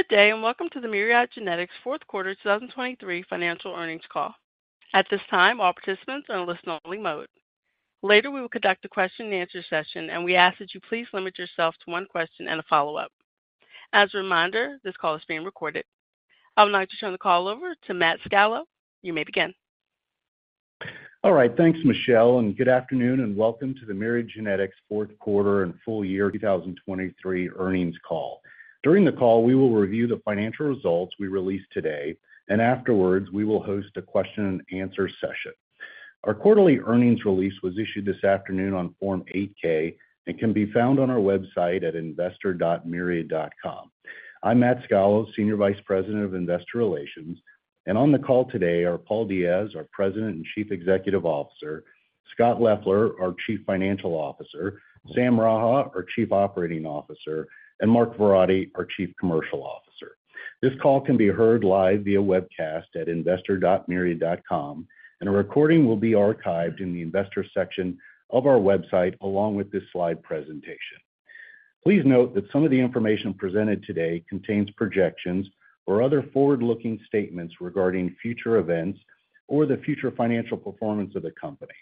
Good day, and welcome to the Myriad Genetics Q4 2023 Financial Earnings Call. At this time, all participants are in listen-only mode. Later, we will conduct a Q&A session, and we ask that you please limit yourself to one question and a follow-up. As a reminder, this call is being recorded. I would like to turn the call over to Matt Scalo. You may begin. All right, thanks, Michelle, and good afternoon, and welcome to the Myriad Genetics Q4 and full year 2023 earnings call. During the call, we will review the financial results we released today, and afterwards, we will host a Q&A session. Our quarterly earnings release was issued this afternoon on Form 8-K and can be found on our website at investor.myriad.com. I'm Matt Scalo, Senior Vice President of Investor Relations, and on the call today are Paul Diaz, our President and Chief Executive Officer; Scott Leffler, our Chief Financial Officer; Sam Raha, our Chief Operating Officer; and Mark Verratti, our Chief Commercial Officer. This call can be heard live via webcast at investor.myriad.com, and a recording will be archived in the investor section of our website, along with this slide presentation. Please note that some of the information presented today contains projections or other forward-looking statements regarding future events or the future financial performance of the company.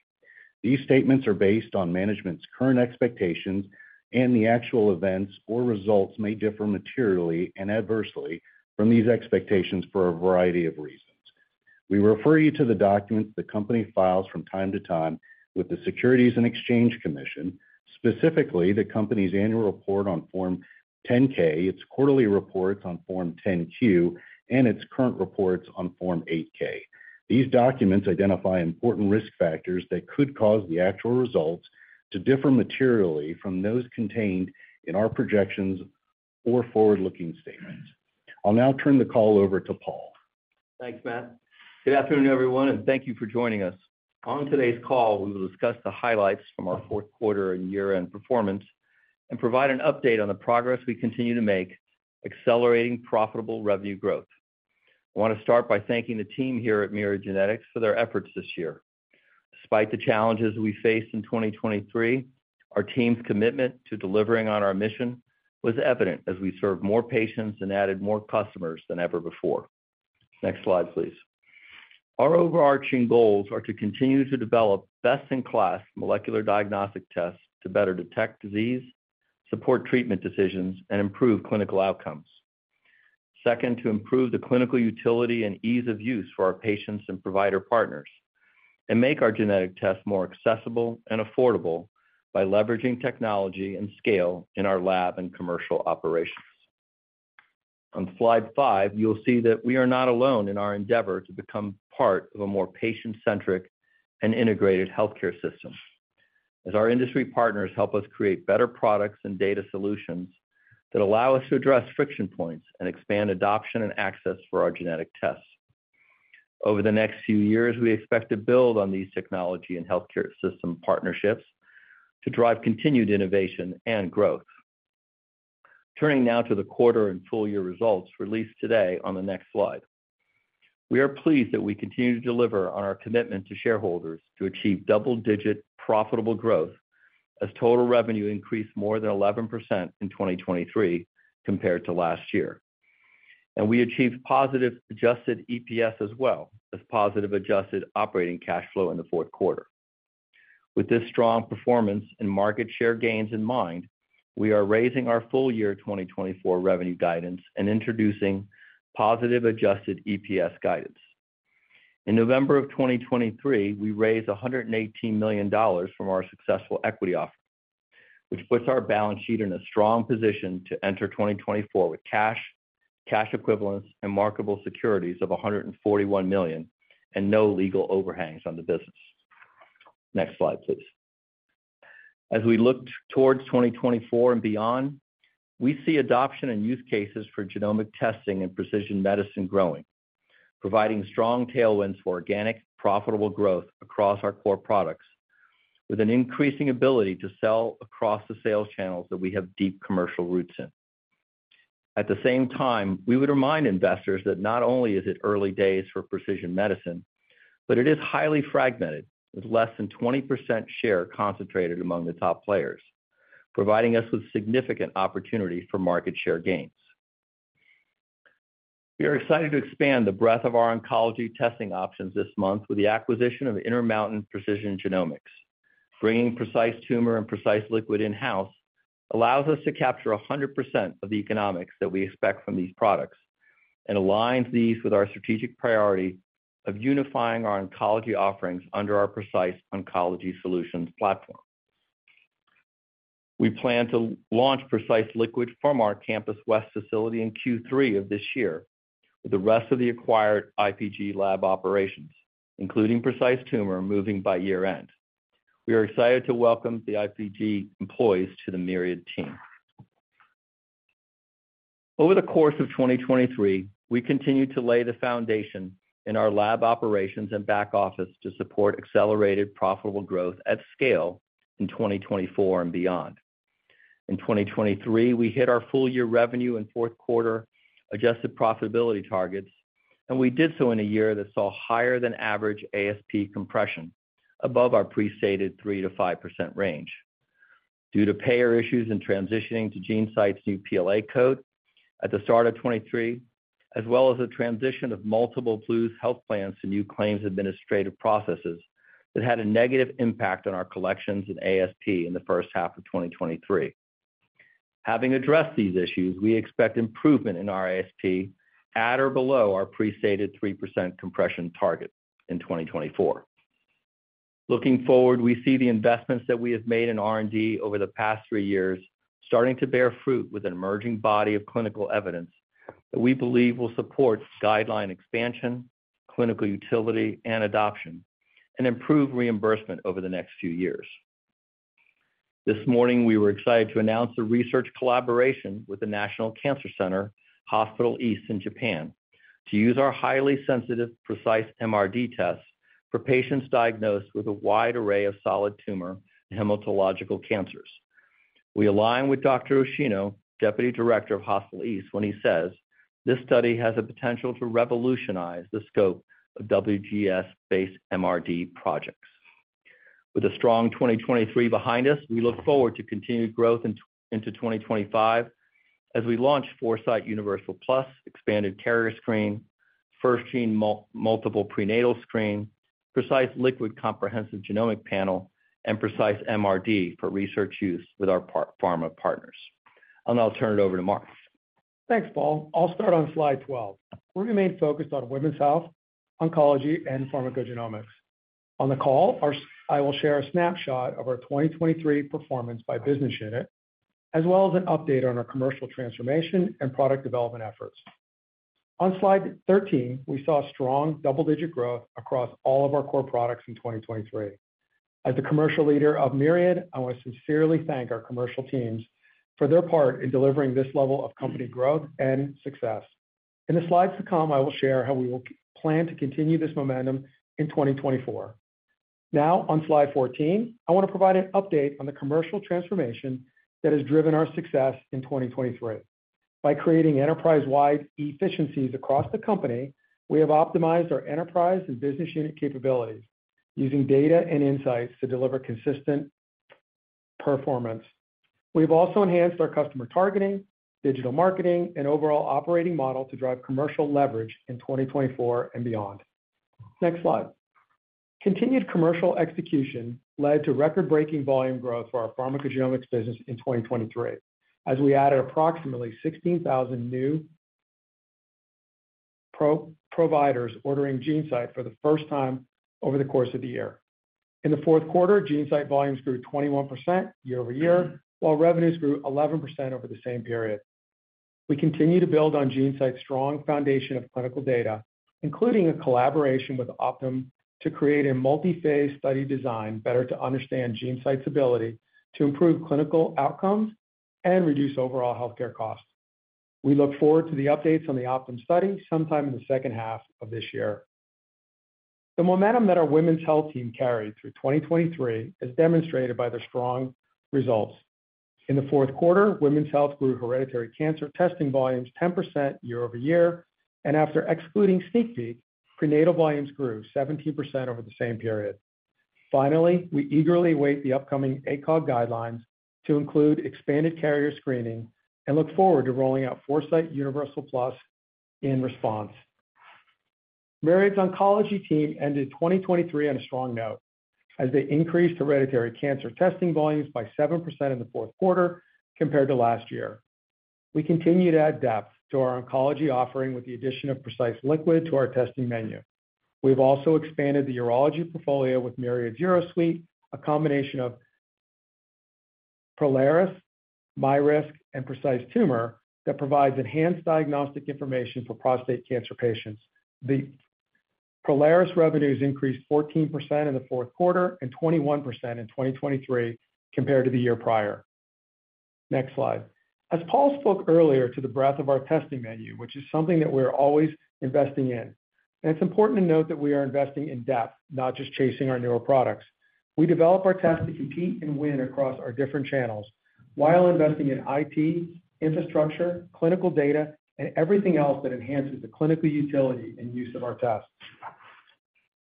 These statements are based on management's current expectations, and the actual events or results may differ materially and adversely from these expectations for a variety of reasons. We refer you to the documents the company files from time to time with the Securities and Exchange Commission, specifically the company's annual report on Form 10-K, its quarterly reports on Form 10-Q, and its current reports on Form 8-K. These documents identify important risk factors that could cause the actual results to differ materially from those contained in our projections or forward-looking statements. I'll now turn the call over to Paul. Thanks, Matt. Good afternoon, everyone, and thank you for joining us. On today's call, we will discuss the highlights from our Q4 and year-end performance and provide an update on the progress we continue to make, accelerating profitable revenue growth. I want to start by thanking the team here at Myriad Genetics for their efforts this year. Despite the challenges we faced in 2023, our team's commitment to delivering on our mission was evident as we served more patients and added more customers than ever before. Next slide, please. Our overarching goals are to continue to develop best-in-class molecular diagnostic tests to better detect disease, support treatment decisions, and improve clinical outcomes. Second, to improve the clinical utility and ease of use for our patients and provider partners, and make our genetic tests more accessible and affordable by leveraging technology and scale in our lab and commercial operations. On slide 5, you'll see that we are not alone in our endeavor to become part of a more patient-centric and integrated healthcare system, as our industry partners help us create better products and data solutions that allow us to address friction points and expand adoption and access for our genetic tests. Over the next few years, we expect to build on these technology and healthcare system partnerships to drive continued innovation and growth. Turning now to the quarter and full-year results released today on the next slide. We are pleased that we continue to deliver on our commitment to shareholders to achieve double-digit profitable growth as total revenue increased more than 11% in 2023 compared to last year. We achieved positive Adjusted EPS as well as positive adjusted operating cash flow in the Q4. With this strong performance and market share gains in mind, we are raising our full-year 2024 revenue guidance and introducing positive adjusted EPS guidance. In November of 2023, we raised $118 million from our successful equity offering, which puts our balance sheet in a strong position to enter 2024 with cash, cash equivalents, and marketable securities of $141 million and no legal overhangs on the business. Next slide, please. As we look towards 2024 and beyond, we see adoption and use cases for genomic testing and precision medicine growing, providing strong tailwinds for organic, profitable growth across our core products, with an increasing ability to sell across the sales channels that we have deep commercial roots in. At the same time, we would remind investors that not only is it early days for precision medicine, but it is highly fragmented, with less than 20% share concentrated among the top players, providing us with significant opportunity for market share gains. We are excited to expand the breadth of our oncology testing options this month with the acquisition of Intermountain Precision Genomics. Bringing Precise Tumor and Precise Liquid in-house allows us to capture 100% of the economics that we expect from these products and aligns these with our strategic priority of unifying our oncology offerings under our Precise Oncology Solutions platform. We plan to launch Precise Liquid from our Campus West facility in Q3 of this year, with the rest of the acquired IPG lab operations, including Precise Tumor, moving by year-end. We are excited to welcome the IPG employees to the Myriad team. Over the course of 2023, we continued to lay the foundation in our lab operations and back office to support accelerated profitable growth at scale in 2024 and beyond. In 2023, we hit our full-year revenue and fourth-quarter adjusted profitability targets, and we did so in a year that saw higher-than-average ASP compression above our pre-stated 3%-5% range, due to payer issues in transitioning to GeneSight's new PLA code at the start of 2023, as well as the transition of multiple Blues health plans to new claims administrative processes that had a negative impact on our collections and ASP in the first half of 2023. Having addressed these issues, we expect improvement in our ASP at or below our pre-stated 3% compression target in 2024. Looking forward, we see the investments that we have made in R&D over the past three years starting to bear fruit with an emerging body of clinical evidence that we believe will support guideline expansion, clinical utility, and adoption, and improve reimbursement over the next few years. This morning, we were excited to announce a research collaboration with the National Cancer Center Hospital East in Japan to use our highly sensitive Precise MRD tests for patients diagnosed with a wide array of solid tumor and hematological cancers. We align with Dr. Yoshino, Deputy Director of Hospital East, when he says, "This study has the potential to revolutionize the scope of WGS-based MRD projects." With a strong 2023 behind us, we look forward to continued growth in, into 2025, as we launch Foresight Universal Plus, expanded carrier screen, FirstGene multiple prenatal screen, Precise Liquid comprehensive genomic panel, and Precise MRD for research use with our pharma partners. I'll turn it over to Mark. Thanks, Paul. I'll start on slide 12. We remain focused on women's health, oncology, and pharmacogenomics. On the call, I will share a snapshot of our 2023 performance by business unit, as well as an update on our commercial transformation and product development efforts. On slide 13, we saw strong double-digit growth across all of our core products in 2023. As the commercial leader of Myriad, I want to sincerely thank our commercial teams for their part in delivering this level of company growth and success. In the slides to come, I will share how we will plan to continue this momentum in 2024. Now, on slide 14, I want to provide an update on the commercial transformation that has driven our success in 2023. By creating enterprise-wide efficiencies across the company, we have optimized our enterprise and business unit capabilities, using data and insights to deliver consistent performance. We've also enhanced our customer targeting, digital marketing, and overall operating model to drive commercial leverage in 2024 and beyond. Next slide. Continued commercial execution led to record-breaking volume growth for our pharmacogenomics business in 2023, as we added approximately 16,000 new providers ordering GeneSight for the first time over the course of the year. In the Q4, GeneSight volumes grew 21% year-over-year, while revenues grew 11% over the same period. We continue to build on GeneSight's strong foundation of clinical data, including a collaboration with Optum to create a multi-phase study design, better to understand GeneSight's ability to improve clinical outcomes and reduce overall healthcare costs. We look forward to the updates on the Optum study sometime in the second half of this year. The momentum that our women's health team carried through 2023 is demonstrated by their strong results. In the Q4, women's health grew hereditary cancer testing volumes 10% year-over-year, and after excluding SneakPeek, prenatal volumes grew 17% over the same period. Finally, we eagerly await the upcoming ACOG guidelines to include expanded carrier screening and look forward to rolling out Foresight Universal Plus in response. Myriad's oncology team ended 2023 on a strong note, as they increased hereditary cancer testing volumes by 7% in the Q4 compared to last year. We continue to add depth to our oncology offering with the addition of Precise Liquid to our testing menu. We've also expanded the urology portfolio with Myriad UroSuite, a combination of Prolaris, MyRisk, and Precise Tumor that provides enhanced diagnostic information for prostate cancer patients. The Prolaris revenues increased 14% in the Q4 and 21% in 2023 compared to the year prior. Next slide. As Paul spoke earlier to the breadth of our testing menu, which is something that we're always investing in, and it's important to note that we are investing in depth, not just chasing our newer products. We develop our tests to compete and win across our different channels, while investing in IT, infrastructure, clinical data, and everything else that enhances the clinical utility and use of our tests.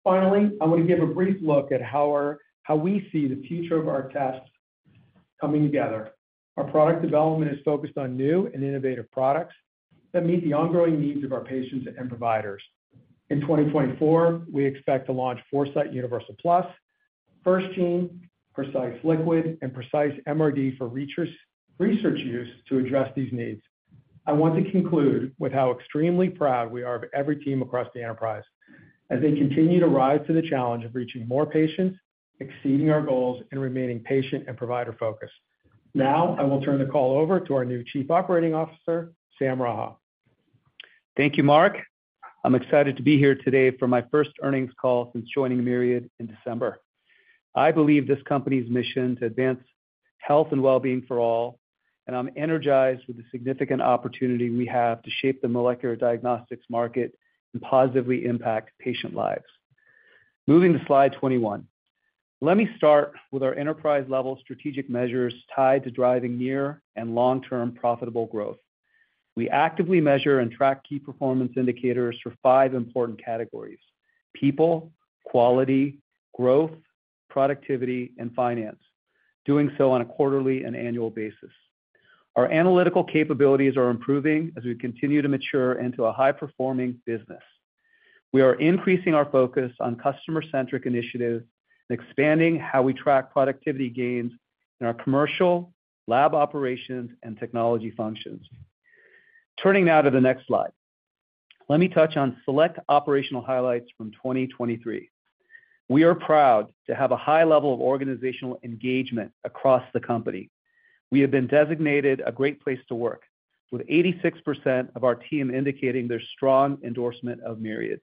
Finally, I want to give a brief look at how we see the future of our tests coming together. Our product development is focused on new and innovative products that meet the ongoing needs of our patients and providers. In 2024, we expect to launch Foresight Universal Plus, FirstGene, Precise Liquid, and Precise MRD for research use to address these needs. I want to conclude with how extremely proud we are of every team across the enterprise as they continue to rise to the challenge of reaching more patients, exceeding our goals, and remaining patient and provider-focused. Now, I will turn the call over to our new Chief Operating Officer, Sam Raha. Thank you, Mark. I'm excited to be here today for my first earnings call since joining Myriad in December. I believe in this company's mission to advance health and well-being for all, and I'm energized with the significant opportunity we have to shape the molecular diagnostics market and positively impact patient lives. Moving to slide 21. Let me start with our enterprise-level strategic measures tied to driving near and long-term profitable growth.... We actively measure and track key performance indicators for five important categories: people, quality, growth, productivity, and finance, doing so on a quarterly and annual basis. Our analytical capabilities are improving as we continue to mature into a high-performing business. We are increasing our focus on customer-centric initiatives and expanding how we track productivity gains in our commercial, lab operations, and technology functions. Turning now to the next slide. Let me touch on select operational highlights from 2023. We are proud to have a high level of organizational engagement across the company. We have been designated a great place to work, with 86% of our team indicating their strong endorsement of Myriad.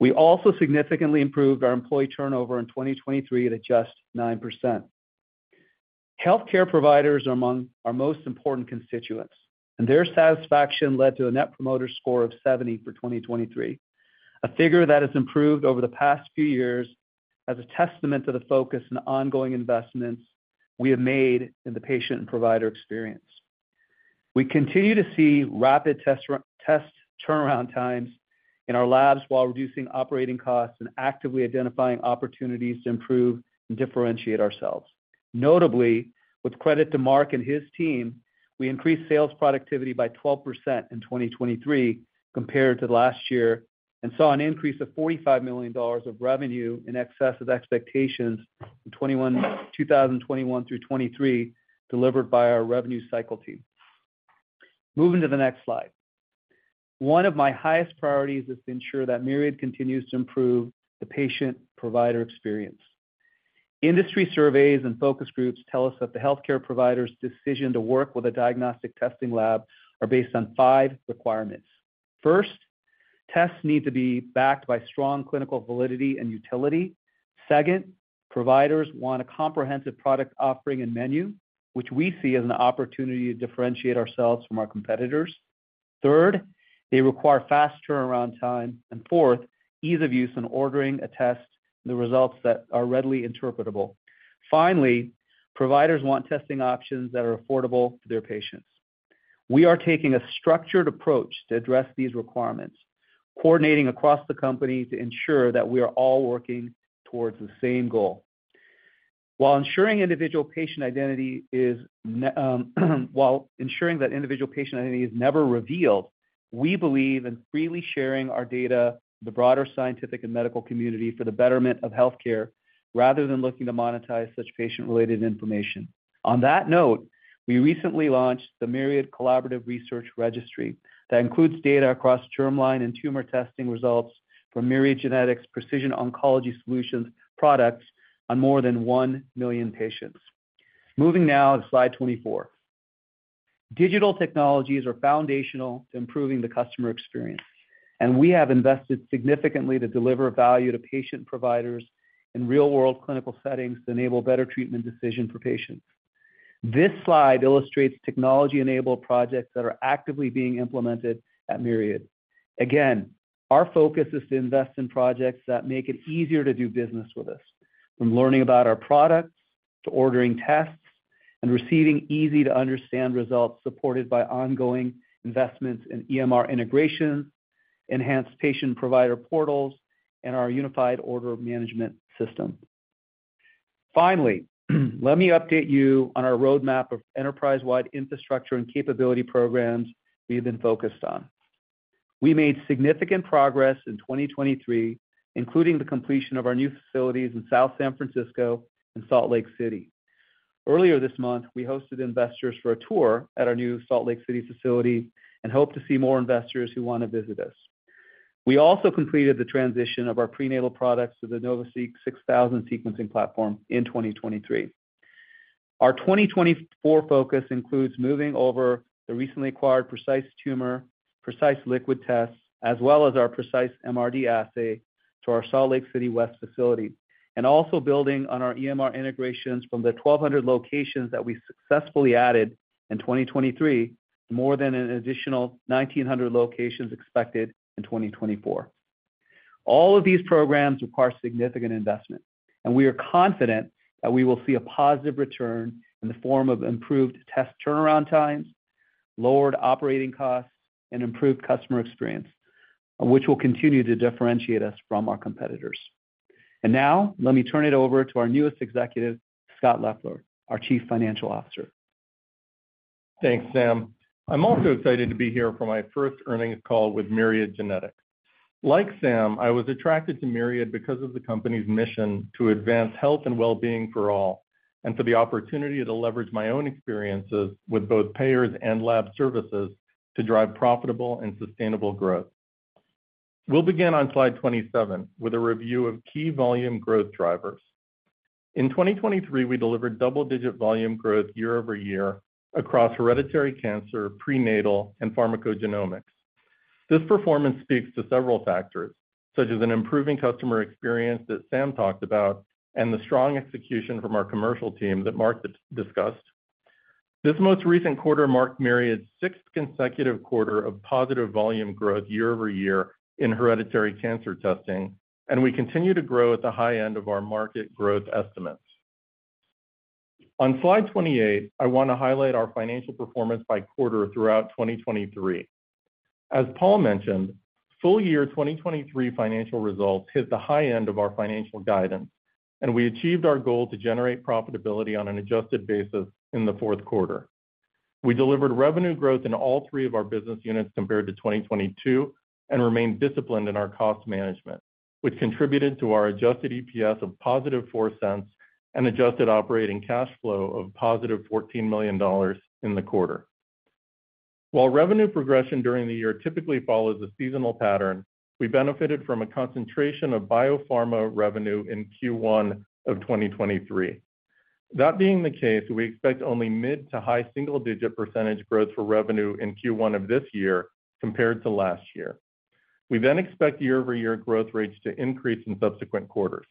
We also significantly improved our employee turnover in 2023 at just 9%. Healthcare providers are among our most important constituents, and their satisfaction led to a Net Promoter Score of 70 for 2023, a figure that has improved over the past few years as a testament to the focus and ongoing investments we have made in the patient and provider experience. We continue to see rapid test-to-test turnaround times in our labs while reducing operating costs and actively identifying opportunities to improve and differentiate ourselves. Notably, with credit to Mark and his team, we increased sales productivity by 12% in 2023 compared to last year and saw an increase of $45 million of revenue in excess of expectations in 2021 through 2023, delivered by our revenue cycle team. Moving to the next slide. One of my highest priorities is to ensure that Myriad continues to improve the patient-provider experience. Industry surveys and focus groups tell us that the healthcare provider's decision to work with a diagnostic testing lab are based on five requirements. First, tests need to be backed by strong clinical validity and utility. Second, providers want a comprehensive product offering and menu, which we see as an opportunity to differentiate ourselves from our competitors. Third, they require fast turnaround time, and fourth, ease of use in ordering a test, and the results that are readily interpretable. Finally, providers want testing options that are affordable to their patients. We are taking a structured approach to address these requirements, coordinating across the company to ensure that we are all working towards the same goal. While ensuring individual patient identity is never revealed, we believe in freely sharing our data, the broader scientific and medical community, for the betterment of healthcare, rather than looking to monetize such patient-related information. On that note, we recently launched the Myriad Collaborative Research Registry that includes data across germline and tumor testing results from Myriad Genetics Precise Oncology Solutions products on more than 1 million patients. Moving now to slide 24. Digital technologies are foundational to improving the customer experience, and we have invested significantly to deliver value to patient providers in real-world clinical settings to enable better treatment decisions for patients. This slide illustrates technology-enabled projects that are actively being implemented at Myriad. Again, our focus is to invest in projects that make it easier to do business with us, from learning about our products, to ordering tests and receiving easy-to-understand results, supported by ongoing investments in EMR integration, enhanced patient provider portals, and our unified order management system. Finally, let me update you on our roadmap of enterprise-wide infrastructure and capability programs we have been focused on. We made significant progress in 2023, including the completion of our new facilities in South San Francisco and Salt Lake City. Earlier this month, we hosted investors for a tour at our new Salt Lake City facility and hope to see more investors who want to visit us. We also completed the transition of our prenatal products to the NovaSeq 6000 sequencing platform in 2023. Our 2024 focus includes moving over the recently acquired Precise Tumor, Precise Liquid tests, as well as our Precise MRD assay to our Salt Lake City West facility, and also building on our EMR integrations from the 1,200 locations that we successfully added in 2023, more than an additional 1,900 locations expected in 2024. All of these programs require significant investment, and we are confident that we will see a positive return in the form of improved test turnaround times, lowered operating costs, and improved customer experience, which will continue to differentiate us from our competitors. And now, let me turn it over to our newest executive, Scott Leffler, our Chief Financial Officer. Thanks, Sam. I'm also excited to be here for my first earnings call with Myriad Genetics. Like Sam, I was attracted to Myriad because of the company's mission to advance health and well-being for all, and for the opportunity to leverage my own experiences with both payers and lab services to drive profitable and sustainable growth. We'll begin on slide 27 with a review of key volume growth drivers. In 2023, we delivered double-digit volume growth year-over-year across hereditary cancer, prenatal, and pharmacogenomics. This performance speaks to several factors, such as an improving customer experience that Sam talked about and the strong execution from our commercial team that Mark discussed. This most recent quarter marked Myriad's sixth consecutive quarter of positive volume growth year-over-year in hereditary cancer testing, and we continue to grow at the high end of our market growth estimates.... On slide 28, I want to highlight our financial performance by quarter throughout 2023. As Paul mentioned, full year 2023 financial results hit the high end of our financial guidance, and we achieved our goal to generate profitability on an adjusted basis in the Q4. We delivered revenue growth in all three of our business units compared to 2022, and remained disciplined in our cost management, which contributed to our adjusted EPS of +$0.04 and adjusted operating cash flow of +$14 million in the quarter. While revenue progression during the year typically follows a seasonal pattern, we benefited from a concentration of biopharma revenue in Q1 of 2023. That being the case, we expect only mid- to high single-digit % growth for revenue in Q1 of this year compared to last year. We then expect year-over-year growth rates to increase in subsequent quarters.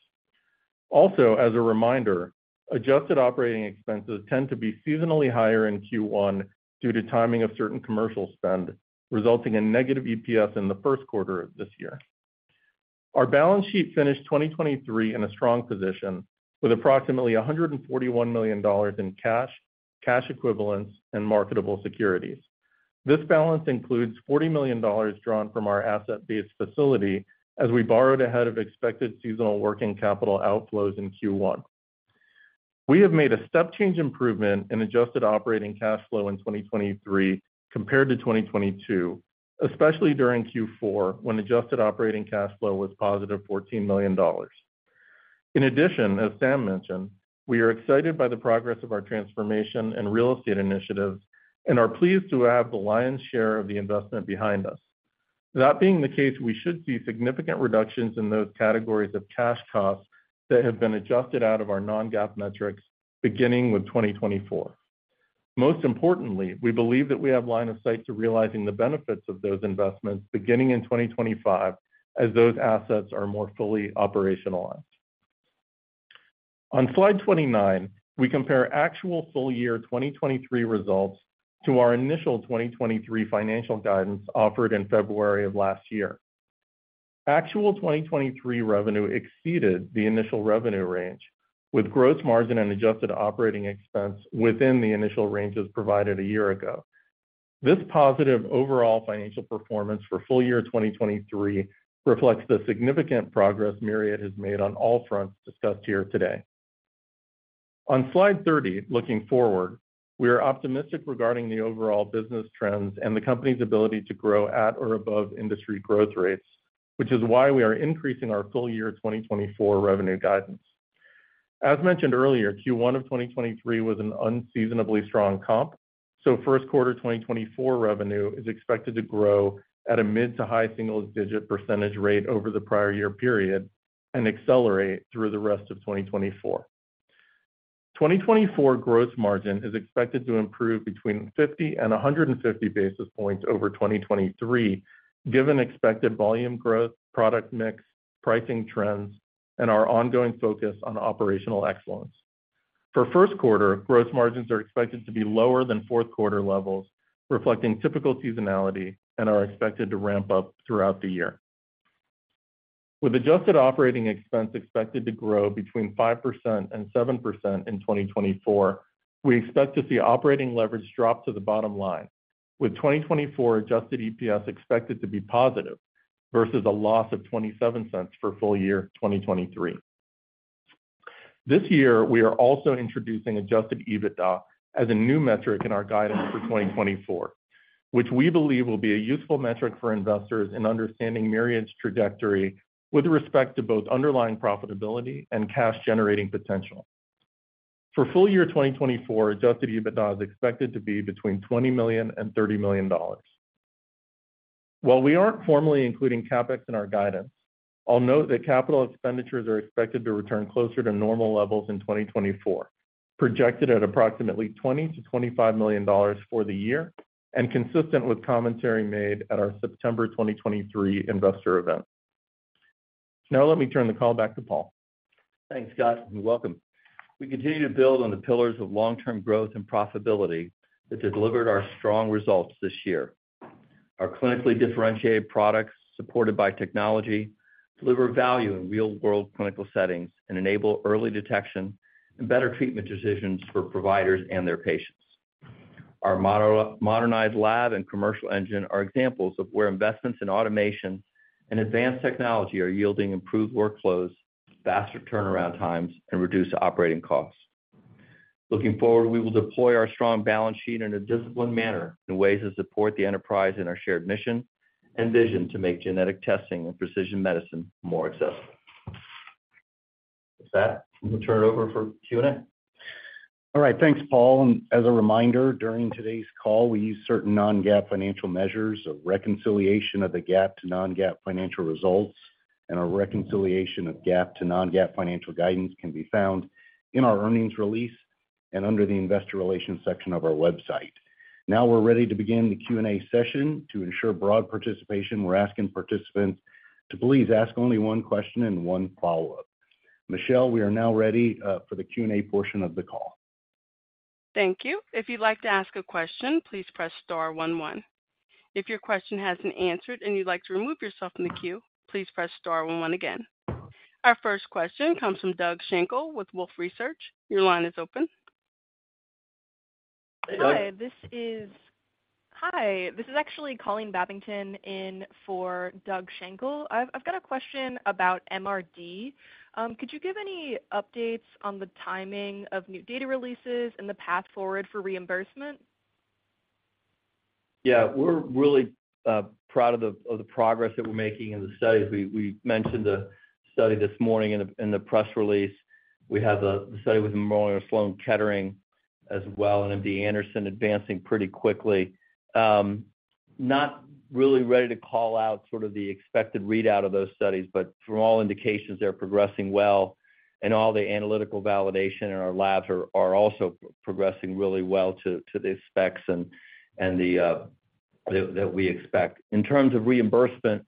Also, as a reminder, adjusted operating expenses tend to be seasonally higher in Q1 due to timing of certain commercial spend, resulting in negative EPS in the Q1 of this year. Our balance sheet finished 2023 in a strong position, with approximately $141 million in cash, cash equivalents, and marketable securities. This balance includes $40 million drawn from our asset-based facility as we borrowed ahead of expected seasonal working capital outflows in Q1. We have made a step change improvement in adjusted operating cash flow in 2023 compared to 2022, especially during Q4, when adjusted operating cash flow was positive $14 million. In addition, as Sam mentioned, we are excited by the progress of our transformation and real estate initiatives and are pleased to have the lion's share of the investment behind us. That being the case, we should see significant reductions in those categories of cash costs that have been adjusted out of our non-GAAP metrics beginning with 2024. Most importantly, we believe that we have line of sight to realizing the benefits of those investments beginning in 2025, as those assets are more fully operationalized. On slide 29, we compare actual full year 2023 results to our initial 2023 financial guidance offered in February of last year. Actual 2023 revenue exceeded the initial revenue range, with gross margin and adjusted operating expense within the initial ranges provided a year ago. This positive overall financial performance for full year 2023 reflects the significant progress Myriad has made on all fronts discussed here today. On slide 30, looking forward, we are optimistic regarding the overall business trends and the company's ability to grow at or above industry growth rates, which is why we are increasing our full year 2024 revenue guidance. As mentioned earlier, Q1 of 2023 was an unseasonably strong comp, so Q1 2024 revenue is expected to grow at a mid- to high single-digit % rate over the prior year period and accelerate through the rest of 2024. 2024 growth margin is expected to improve between 50 and 150 basis points over 2023, given expected volume growth, product mix, pricing trends, and our ongoing focus on operational excellence. For Q1, growth margins are expected to be lower than Q4 levels, reflecting typical seasonality and are expected to ramp up throughout the year. With adjusted operating expense expected to grow between 5% and 7% in 2024, we expect to see operating leverage drop to the bottom line, with 2024 adjusted EPS expected to be positive versus a loss of $0.27 for full year 2023. This year, we are also introducing adjusted EBITDA as a new metric in our guidance for 2024, which we believe will be a useful metric for investors in understanding Myriad's trajectory with respect to both underlying profitability and cash-generating potential. For full year 2024, adjusted EBITDA is expected to be between $20 million and $30 million. While we aren't formally including CapEx in our guidance, I'll note that capital expenditures are expected to return closer to normal levels in 2024, projected at approximately $20 million-$25 million for the year, and consistent with commentary made at our September 2023 investor event. Now, let me turn the call back to Paul. Thanks, Scott, and welcome. We continue to build on the pillars of long-term growth and profitability that have delivered our strong results this year. Our clinically differentiated products, supported by technology, deliver value in real-world clinical settings and enable early detection and better treatment decisions for providers and their patients. Our modernized lab and commercial engine are examples of where investments in automation and advanced technology are yielding improved workflows, faster turnaround times, and reduced operating costs. Looking forward, we will deploy our strong balance sheet in a disciplined manner in ways that support the enterprise and our shared mission and vision to make genetic testing and precision medicine more accessible. With that, we'll turn it over for Q&A. All right, thanks, Paul. As a reminder, during today's call, we use certain non-GAAP financial measures. A reconciliation of the GAAP to non-GAAP financial results, and a reconciliation of GAAP to non-GAAP financial guidance can be found in our earnings release and under the Investor Relations section of our website. Now we're ready to begin the Q&A session. To ensure broad participation, we're asking participants to please ask only one question and one follow-up. Michelle, we are now ready for the Q&A portion of the call. ... Thank you. If you'd like to ask a question, please press star one one. If your question hasn't answered and you'd like to remove yourself from the queue, please press star one one again. Our first question comes from Doug Schenkel with Wolfe Research. Your line is open. Hi, this is actually Colleen Babington in for Doug Schenkel. I've got a question about MRD. Could you give any updates on the timing of new data releases and the path forward for reimbursement? Yeah, we're really proud of the progress that we're making in the studies. We mentioned the study this morning in the press release. We have a study with Memorial Sloan Kettering as well, and MD Anderson advancing pretty quickly. Not really ready to call out sort of the expected readout of those studies, but from all indications, they're progressing well, and all the analytical validation in our labs are also progressing really well to the specs and the that we expect. In terms of reimbursement,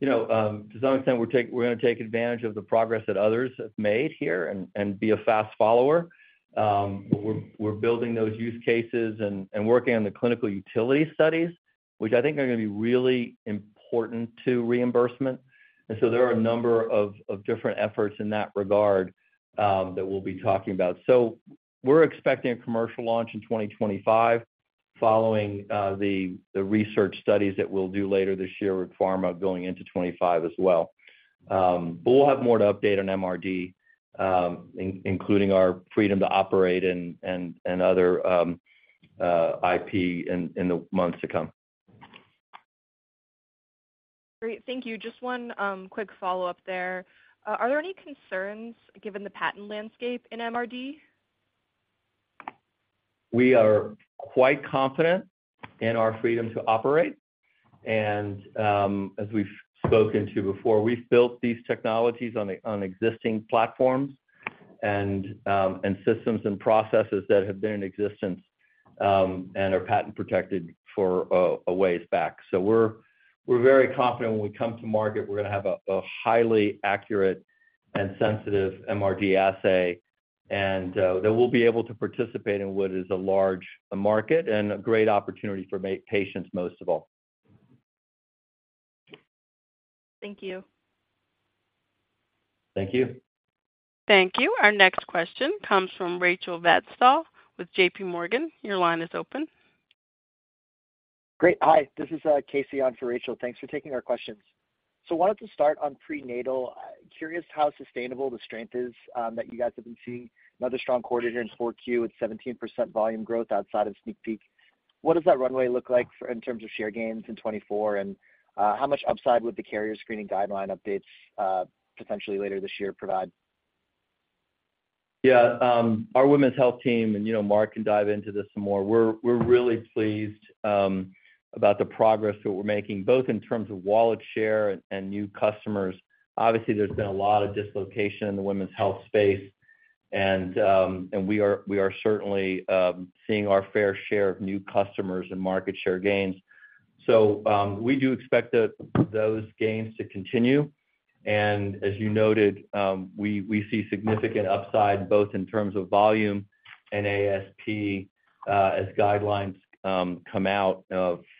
you know, to some extent, we're gonna take advantage of the progress that others have made here and be a fast follower. We're building those use cases and working on the clinical utility studies, which I think are gonna be really important to reimbursement. There are a number of different efforts in that regard that we'll be talking about. We're expecting a commercial launch in 2025, following the research studies that we'll do later this year with pharma going into 2025 as well. But we'll have more to update on MRD, including our freedom to operate and other IP in the months to come. Great. Thank you. Just one quick follow-up there. Are there any concerns given the patent landscape in MRD? We are quite confident in our freedom to operate, and as we've spoken to before, we've built these technologies on existing platforms and systems and processes that have been in existence and are patent-protected for a ways back. So we're very confident when we come to market, we're gonna have a highly accurate and sensitive MRD assay, and that we'll be able to participate in what is a large market and a great opportunity for patients, most of all. Thank you. Thank you. Thank you. Our next question comes from Rachel Vatnsdal with J.P. Morgan. Your line is open. Great. Hi, this is Casey on for Rachel. Thanks for taking our questions. So wanted to start on prenatal. Curious how sustainable the strength is that you guys have been seeing. Another strong quarter in Q4, it's 17% volume growth outside of SneakPeek. What does that runway look like for... in terms of share gains in 2024, and how much upside would the carrier screening guideline updates potentially later this year provide? Yeah, our women's health team, and, you know, Mark can dive into this some more. We're, we're really pleased, about the progress that we're making, both in terms of wallet share and, and new customers. Obviously, there's been a lot of dislocation in the women's health space, and, and we are, we are certainly, seeing our fair share of new customers and market share gains. So, we do expect that, those gains to continue. And as you noted, we, we see significant upside, both in terms of volume and ASP, as guidelines, come out,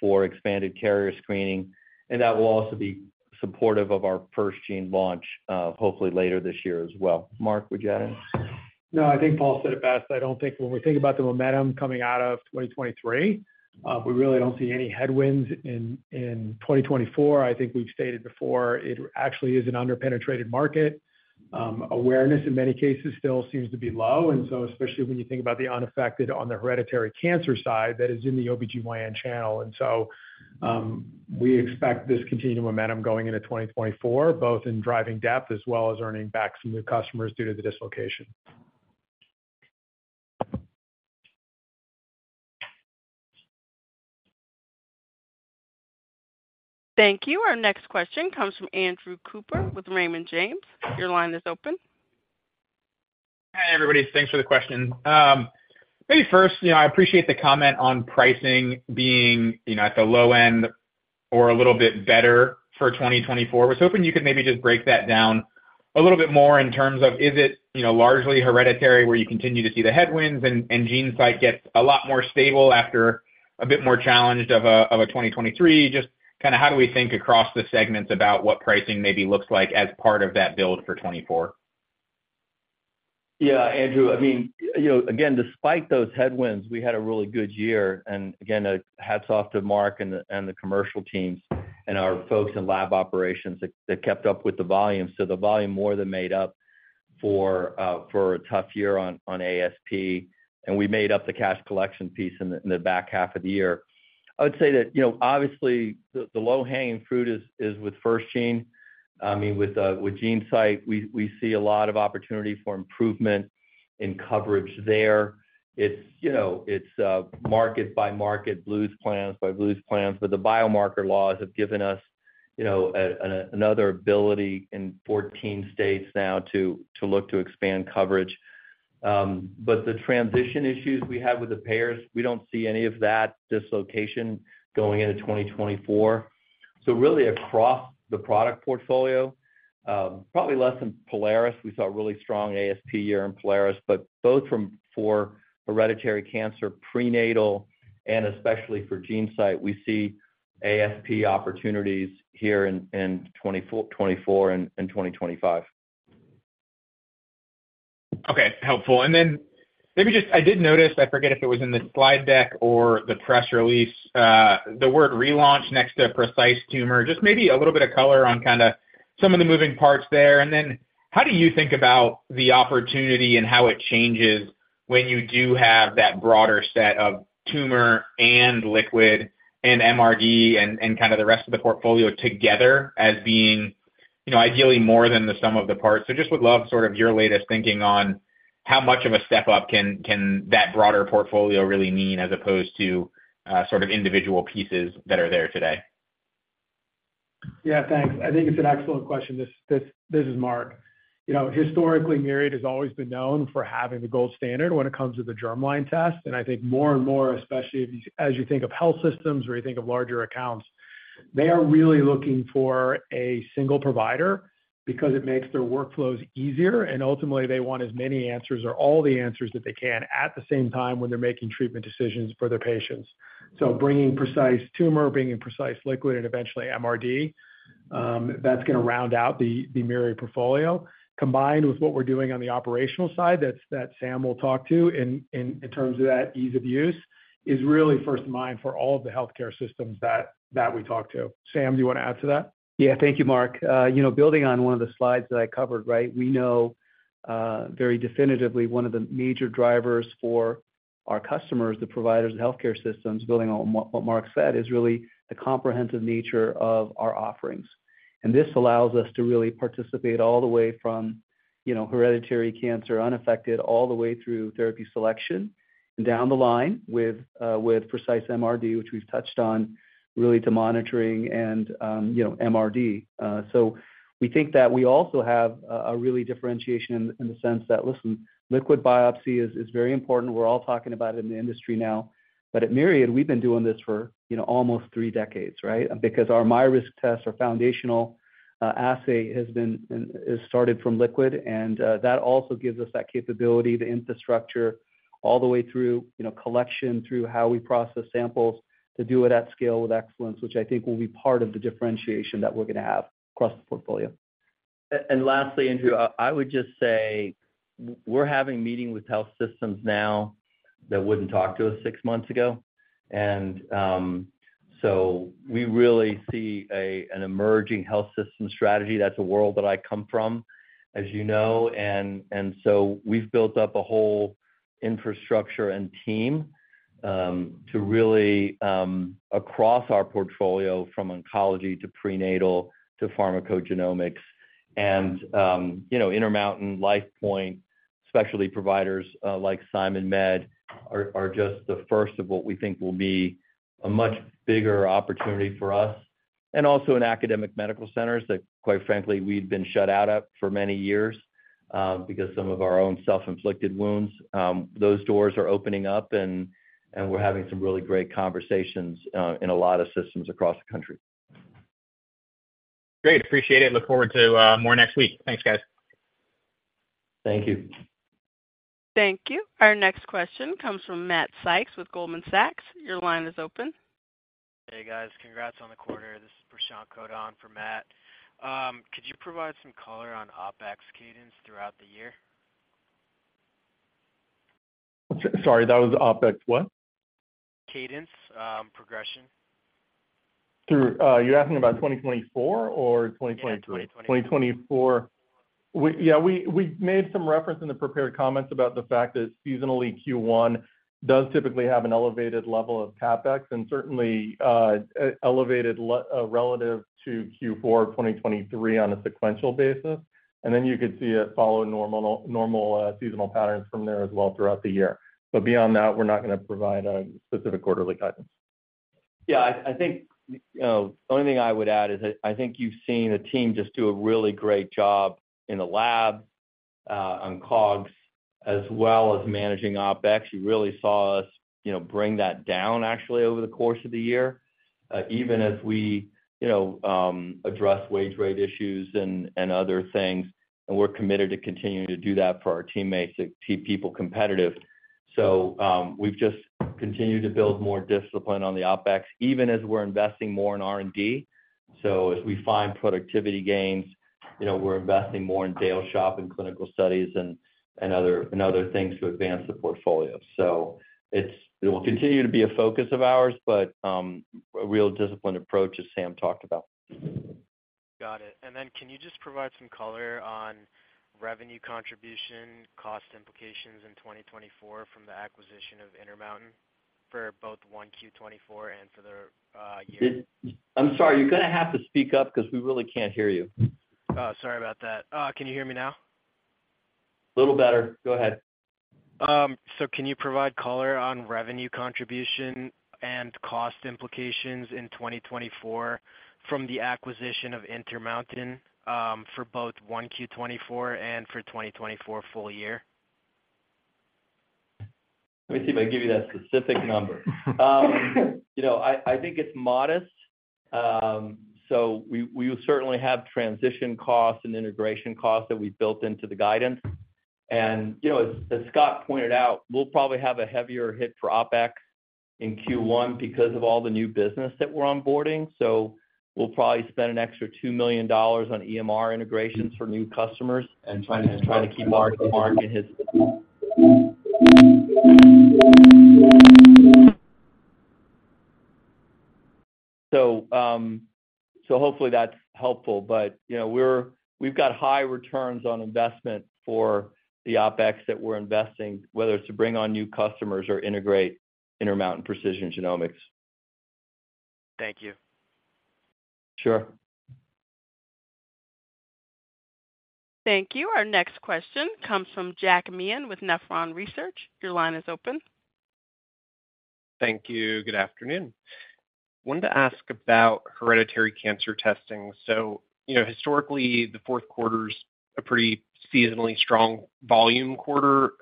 for expanded carrier screening, and that will also be supportive of our FirstGene launch, hopefully later this year as well. Mark, would you add in? No, I think Paul said it best. I don't think when we think about the momentum coming out of 2023, we really don't see any headwinds in, in 2024. I think we've stated before, it actually is an underpenetrated market. Awareness, in many cases, still seems to be low, and so especially when you think about the unaffected on the hereditary cancer side, that is in the OBGYN channel. And so, we expect this continued momentum going into 2024, both in driving depth as well as earning back some new customers due to the dislocation. Thank you. Our next question comes from Andrew Cooper with Raymond James. Your line is open. Hi, everybody. Thanks for the question. Maybe first, you know, I appreciate the comment on pricing being, you know, at the low end or a little bit better for 2024. Was hoping you could maybe just break that down a little bit more in terms of, is it, you know, largely hereditary, where you continue to see the headwinds and, and GeneSight gets a lot more stable after a bit more challenged of a, of a 2023? Just kind of how do we think across the segments about what pricing maybe looks like as part of that build for 2024. Yeah, Andrew, I mean, you know, again, despite those headwinds, we had a really good year, and again, hats off to Mark and the commercial teams and our folks in lab operations that kept up with the volume. So the volume more than made up for a tough year on ASP, and we made up the cash collection piece in the back half of the year. I would say that, you know, obviously the low-hanging fruit is with FirstGene. I mean, with GeneSight, we see a lot of opportunity for improvement in coverage there. It's, you know, it's market by market, Blues plans by Blues plans, but the Biomarker Laws have given us, you know, another ability in 14 states now to look to expand coverage. But the transition issues we have with the payers, we don't see any of that dislocation going into 2024. So really across the product portfolio, probably less than Prolaris. We saw a really strong ASP year in Prolaris, but both from, for hereditary cancer, prenatal, and especially for GeneSight, we see ASP opportunities here in, in 2024, 2024 and, and 2025. Okay, helpful. And then maybe just, I did notice, I forget if it was in the slide deck or the press release, the word relaunch next to Precise Tumor. Just maybe a little bit of color on kind of some of the moving parts there. And then how do you think about the opportunity and how it changes when you do have that broader set of tumor and liquid and MRD and kind of the rest of the portfolio together as being, you know, ideally more than the sum of the parts? So just would love sort of your latest thinking on how much of a step up can that broader portfolio really mean, as opposed to sort of individual pieces that are there today. Yeah, thanks. I think it's an excellent question. This is Mark. You know, historically, Myriad has always been known for having the gold standard when it comes to the germline test, and I think more and more, especially if you, as you think of health systems or you think of larger accounts, they are really looking for a single provider because it makes their workflows easier, and ultimately, they want as many answers or all the answers that they can at the same time when they're making treatment decisions for their patients. So bringing Precise Tumor, bringing Precise Liquid, and eventually MRD, that's going to round out the Myriad portfolio. Combined with what we're doing on the operational side, that's that Sam will talk to in terms of that ease of use, is really first in mind for all of the healthcare systems that we talk to. Sam, do you want to add to that? Yeah. Thank you, Mark. You know, building on one of the slides that I covered, right? We know, very definitively one of the major drivers for our customers, the providers and healthcare systems, building on what, what Mark said, is really the comprehensive nature of our offerings. And this allows us to really participate all the way from, you know, hereditary cancer, unaffected, all the way through therapy selection, and down the line with, with Precise MRD, which we've touched on, really to monitoring and, you know, MRD. So we think that we also have a really differentiation in, the sense that, listen, liquid biopsy is very important. We're all talking about it in the industry now, but at Myriad, we've been doing this for, you know, almost three decades, right? Because our myRisk tests, our foundational assay, has been and is started from liquid, and that also gives us that capability, the infrastructure, all the way through, you know, collection, through how we process samples, to do it at scale with excellence, which I think will be part of the differentiation that we're going to have across the portfolio. And lastly, Andrew, I would just say we're having meetings with health systems now that wouldn't talk to us six months ago. And so we really see an emerging health system strategy. That's a world that I come from, as you know, and so we've built up a whole infrastructure and team to really across our portfolio, from oncology to prenatal to pharmacogenomics. And you know, Intermountain, LifePoint, specialty providers like SimonMed are just the first of what we think will be a much bigger opportunity for us, and also in academic medical centers, that, quite frankly, we've been shut out of for many years because some of our own self-inflicted wounds. Those doors are opening up, and we're having some really great conversations in a lot of systems across the country. Great, appreciate it. Look forward to more next week. Thanks, guys. Thank you. Thank you. Our next question comes from Matt Sykes with Goldman Sachs. Your line is open. Hey, guys. Congrats on the quarter. This is Prashant Kota for Matt. Could you provide some color on OpEx cadence throughout the year? Sorry, that was OpEx what? Cadence, progression. You're asking about 2024 or 2023? Yeah, 2020. 2024. We-- yeah, we, we made some reference in the prepared comments about the fact that seasonally, Q1 does typically have an elevated level of CapEx, and certainly elevated level relative to Q4 of 2023 on a sequential basis. And then you could see it follow normal seasonal patterns from there as well throughout the year. But beyond that, we're not going to provide a specific quarterly guidance. Yeah, I think, you know, the only thing I would add is that I think you've seen the team just do a really great job in the lab on COGS, as well as managing OpEx. You really saw us, you know, bring that down actually over the course of the year, even as we, you know, address wage rate issues and other things, and we're committed to continuing to do that for our teammates to keep people competitive. So we've just continued to build more discipline on the OpEx, even as we're investing more in R&D. So as we find productivity gains, you know, we're investing more in Dale's shop and clinical studies and other things to advance the portfolio. So it will continue to be a focus of ours, but a real disciplined approach, as Sam talked about. Got it. And then can you just provide some color on revenue contribution, cost implications in 2024 from the acquisition of Intermountain for both Q1 2024 and for the year? I'm sorry, you're going to have to speak up because we really can't hear you. Oh, sorry about that. Can you hear me now? Little better. Go ahead. So can you provide color on revenue contribution and cost implications in 2024 from the acquisition of Intermountain, for both Q1 2024, and for 2024 full year?... Let me see if I can give you that specific number. You know, I, I think it's modest. So we will certainly have transition costs and integration costs that we've built into the guidance. And, you know, as Scott pointed out, we'll probably have a heavier hit for OpEx in Q1 because of all the new business that we're onboarding. So we'll probably spend an extra $2 million on EMR integrations for new customers and trying to keep the market hit. So hopefully that's helpful. But, you know, we're – we've got high returns on investment for the OpEx that we're investing, whether it's to bring on new customers or integrate Intermountain Precision Genomics. Thank you. Sure. Thank you. Our next question comes from Jack Meehan with Nephron Research. Your line is open. Thank you. Good afternoon. Wanted to ask about hereditary cancer testing. So, you know, historically, the Q4's a pretty seasonally strong volume quarter.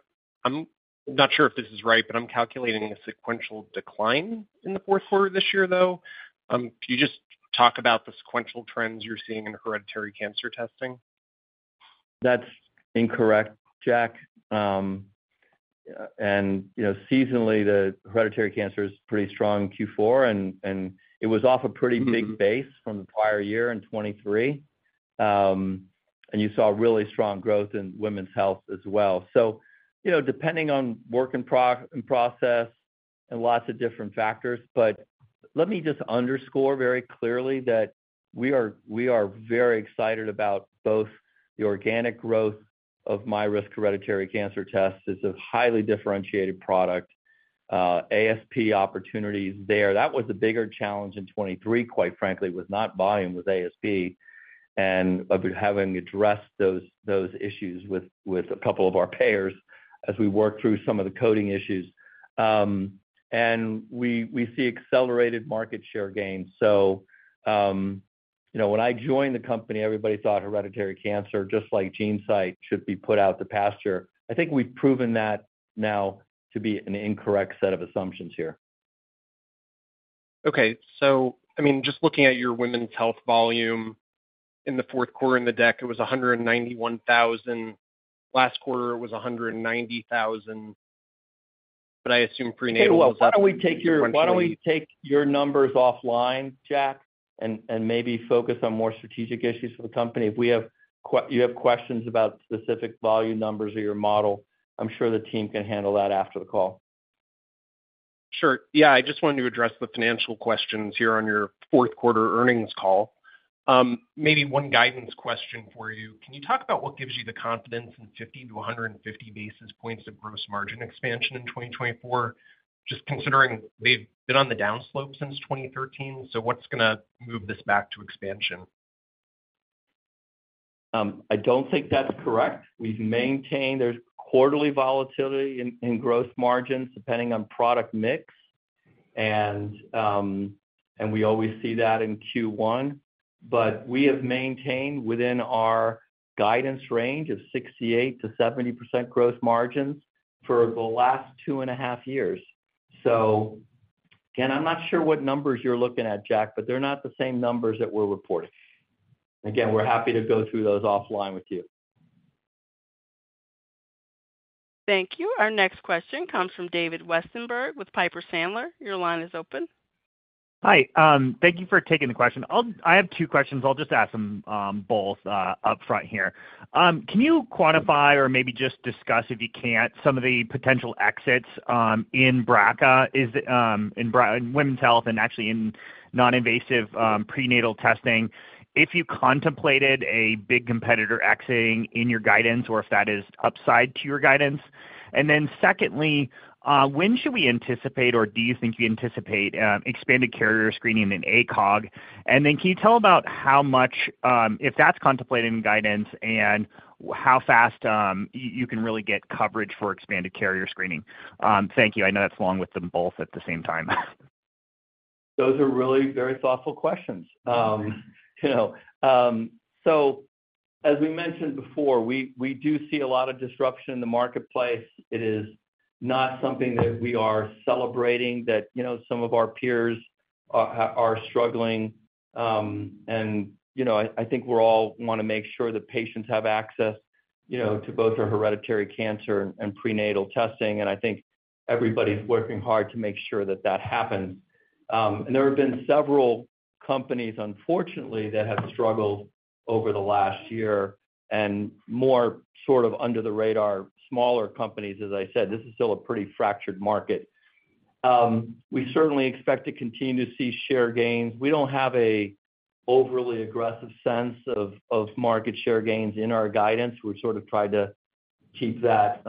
I'm not sure if this is right, but I'm calculating a sequential decline in the Q4 this year, though. Can you just talk about the sequential trends you're seeing in hereditary cancer testing? That's incorrect, Jack. You know, seasonally, the hereditary cancer is pretty strong in Q4, and it was off a pretty big base from the prior year in 2023. You saw really strong growth in women's health as well. So, you know, depending on work and pro- and process and lots of different factors, but let me just underscore very clearly that we are, we are very excited about both the organic growth of myRisk Hereditary Cancer test. It's a highly differentiated product, ASP opportunities there. That was the bigger challenge in 2023, quite frankly, was not volume, it was ASP, and but we're having addressed those, those issues with, with a couple of our payers as we work through some of the coding issues. And we, we see accelerated market share gains. You know, when I joined the company, everybody thought hereditary cancer, just like GeneSight, should be put out to pasture. I think we've proven that now to be an incorrect set of assumptions here. Okay, so I mean, just looking at your women's health volume in the Q4 in the deck, it was 191,000. Last quarter, it was 190,000, but I assume prenatal- Hey, well, why don't we take your numbers offline, Jack, and maybe focus on more strategic issues for the company? If you have questions about specific volume numbers or your model, I'm sure the team can handle that after the call. Sure. Yeah, I just wanted to address the financial questions here on your Q4 earnings call. Maybe one guidance question for you. Can you talk about what gives you the confidence in 50-150 basis points of gross margin expansion in 2024? Just considering they've been on the downslope since 2013, so what's going to move this back to expansion? I don't think that's correct. We've maintained... There's quarterly volatility in growth margins, depending on product mix, and we always see that in Q1. But we have maintained within our guidance range of 68%-70% growth margins for the last 2.5 years. So again, I'm not sure what numbers you're looking at, Jack, but they're not the same numbers that we're reporting. Again, we're happy to go through those offline with you. Thank you. Our next question comes from David Westenberg with Piper Sandler. Your line is open. Hi, thank you for taking the question. I have two questions. I'll just ask them both upfront here. Can you quantify or maybe just discuss, if you can't, some of the potential exits in BRCA, is it in women's health and actually in non-invasive prenatal testing, if you contemplated a big competitor exiting in your guidance or if that is upside to your guidance? And then secondly, when should we anticipate, or do you think you anticipate, expanded carrier screening in ACOG? And then can you tell about how much, if that's contemplated in guidance and how fast you can really get coverage for expanded carrier screening? Thank you. I know that's long with them both at the same time. Those are really very thoughtful questions. You know, so as we mentioned before, we do see a lot of disruption in the marketplace. It is not something that we are celebrating that, you know, some of our peers are struggling. And, you know, I think we all want to make sure that patients have access, you know, to both our hereditary cancer and prenatal testing. And I think everybody's working hard to make sure that that happens. And there have been several companies, unfortunately, that have struggled over the last year and more sort of under the radar, smaller companies. As I said, this is still a pretty fractured market. We certainly expect to continue to see share gains. We don't have an overly aggressive sense of market share gains in our guidance. We've sort of tried to keep that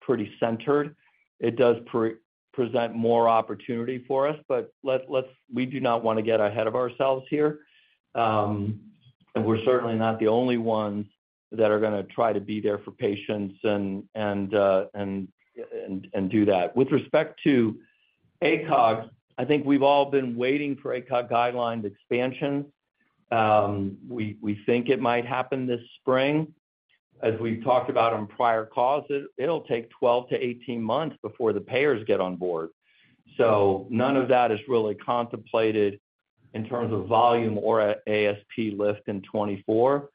pretty centered. It does represent more opportunity for us, but let's we do not want to get ahead of ourselves here. And we're certainly not the only ones that are going to try to be there for patients and do that. With respect to ACOG, I think we've all been waiting for ACOG guideline expansion. We think it might happen this spring, as we've talked about on prior calls, it'll take 12-18 months before the payers get on board. So none of that is really contemplated in terms of volume or ASP lift in '2024.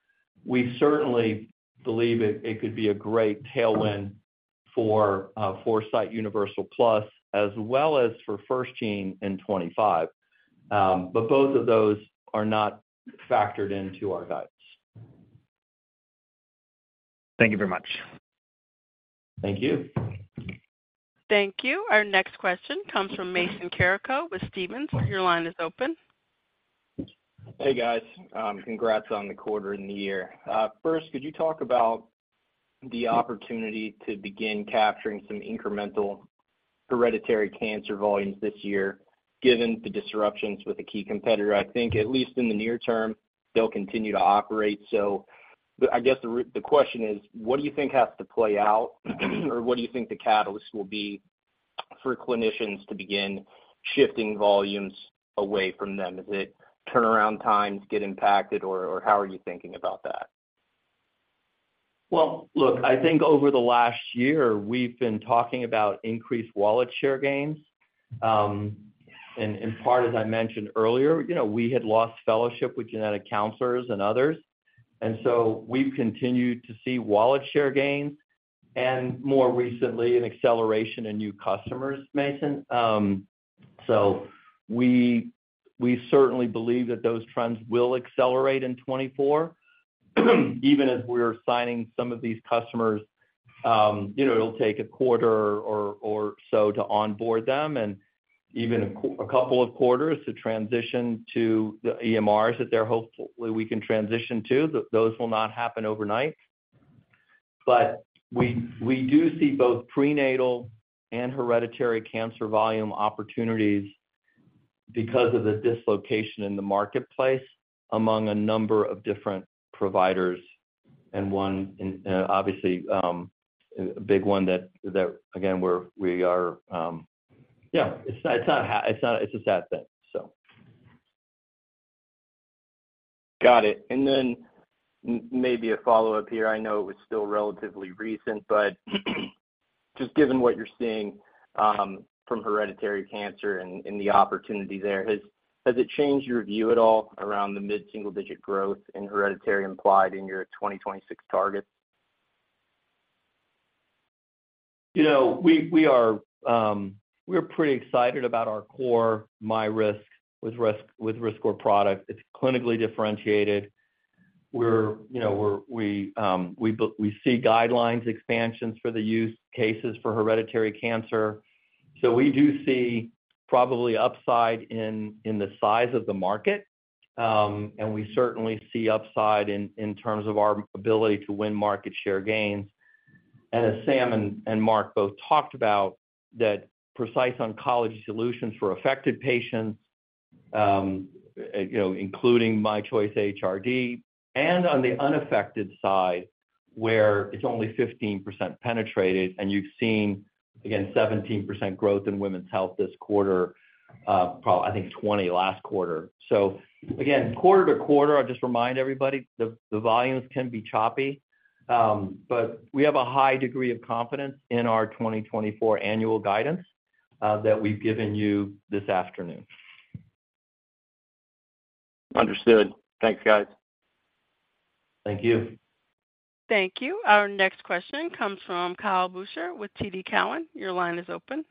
We certainly believe it could be a great tailwind for Foresight Universal Plus, as well as for FirstGene in '2025. But both of those are not factored into our guides. Thank you very much. Thank you. Thank you. Our next question comes from Mason Carrico with Stephens. Your line is open. Hey, guys, congrats on the quarter and the year. First, could you talk about the opportunity to begin capturing some incremental hereditary cancer volumes this year, given the disruptions with a key competitor? I think at least in the near term, they'll continue to operate. So I guess the question is: what do you think has to play out, or what do you think the catalyst will be for clinicians to begin shifting volumes away from them? Is it turnaround times get impacted, or how are you thinking about that? Well, look, I think over the last year, we've been talking about increased wallet share gains. And in part, as I mentioned earlier, you know, we had lost fellowship with genetic counselors and others. And so we've continued to see wallet share gains, and more recently, an acceleration in new customers, Mason. So we certainly believe that those trends will accelerate in 2024. Even as we're signing some of these customers, you know, it'll take a quarter or so to onboard them and even a couple of quarters to transition to the EMRs that they're hopefully we can transition to. Those will not happen overnight. But we do see both prenatal and hereditary cancer volume opportunities because of the dislocation in the marketplace among a number of different providers, and one, obviously, a big one that again we are... Yeah, it's not. It's a sad thing, so. Got it. And then maybe a follow-up here. I know it was still relatively recent, but just given what you're seeing from hereditary cancer and the opportunity there, has it changed your view at all around the mid-single-digit growth in hereditary implied in your 2026 targets? You know, we, we are, we're pretty excited about our core myRisk with RiskScore product. It's clinically differentiated. We're, you know, we're-- we, we see guidelines expansions for the use cases for hereditary cancer. So we do see probably upside in, in the size of the market, and we certainly see upside in, in terms of our ability to win market share gains. And as Sam and, and Mark both talked about, that Precise Oncology Solutions for affected patients, you know, including myChoice HRD, and on the unaffected side, where it's only 15% penetrated, and you've seen, again, 17% growth in women's health this quarter, pro- I think 20% last quarter. So again, quarter to quarter, I'll just remind everybody, the volumes can be choppy, but we have a high degree of confidence in our 2024 annual guidance that we've given you this afternoon. Understood. Thanks, guys. Thank you. Thank you. Our next question comes from Kyle Boucher with TD Cowen. Your line is open.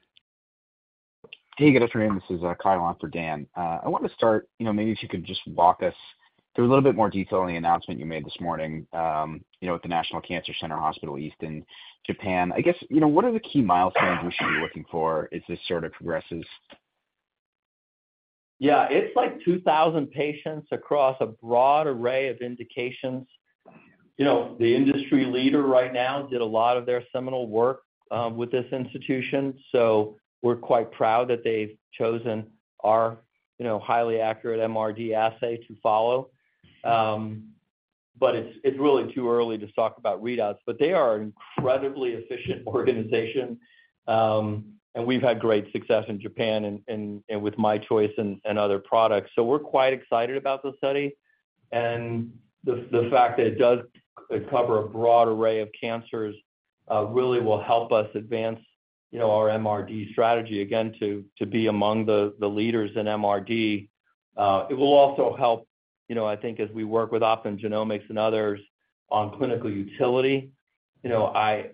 Hey, good afternoon. This is Kyle on for Dan. I wanted to start, you know, maybe if you could just walk us through a little bit more detail on the announcement you made this morning, you know, with the National Cancer Center Hospital East in Japan. I guess, you know, what are the key milestones we should be looking for as this sort of progresses? Yeah, it's like 2,000 patients across a broad array of indications. You know, the industry leader right now did a lot of their seminal work with this institution, so we're quite proud that they've chosen our, you know, highly accurate MRD assay to follow. But it's really too early to talk about readouts, but they are an incredibly efficient organization, and we've had great success in Japan and with myChoice and other products. So we're quite excited about this study. And the fact that it does cover a broad array of cancers really will help us advance, you know, our MRD strategy, again, to be among the leaders in MRD. It will also help, you know, I think as we work with Optum Genomics and others on clinical utility, you know, I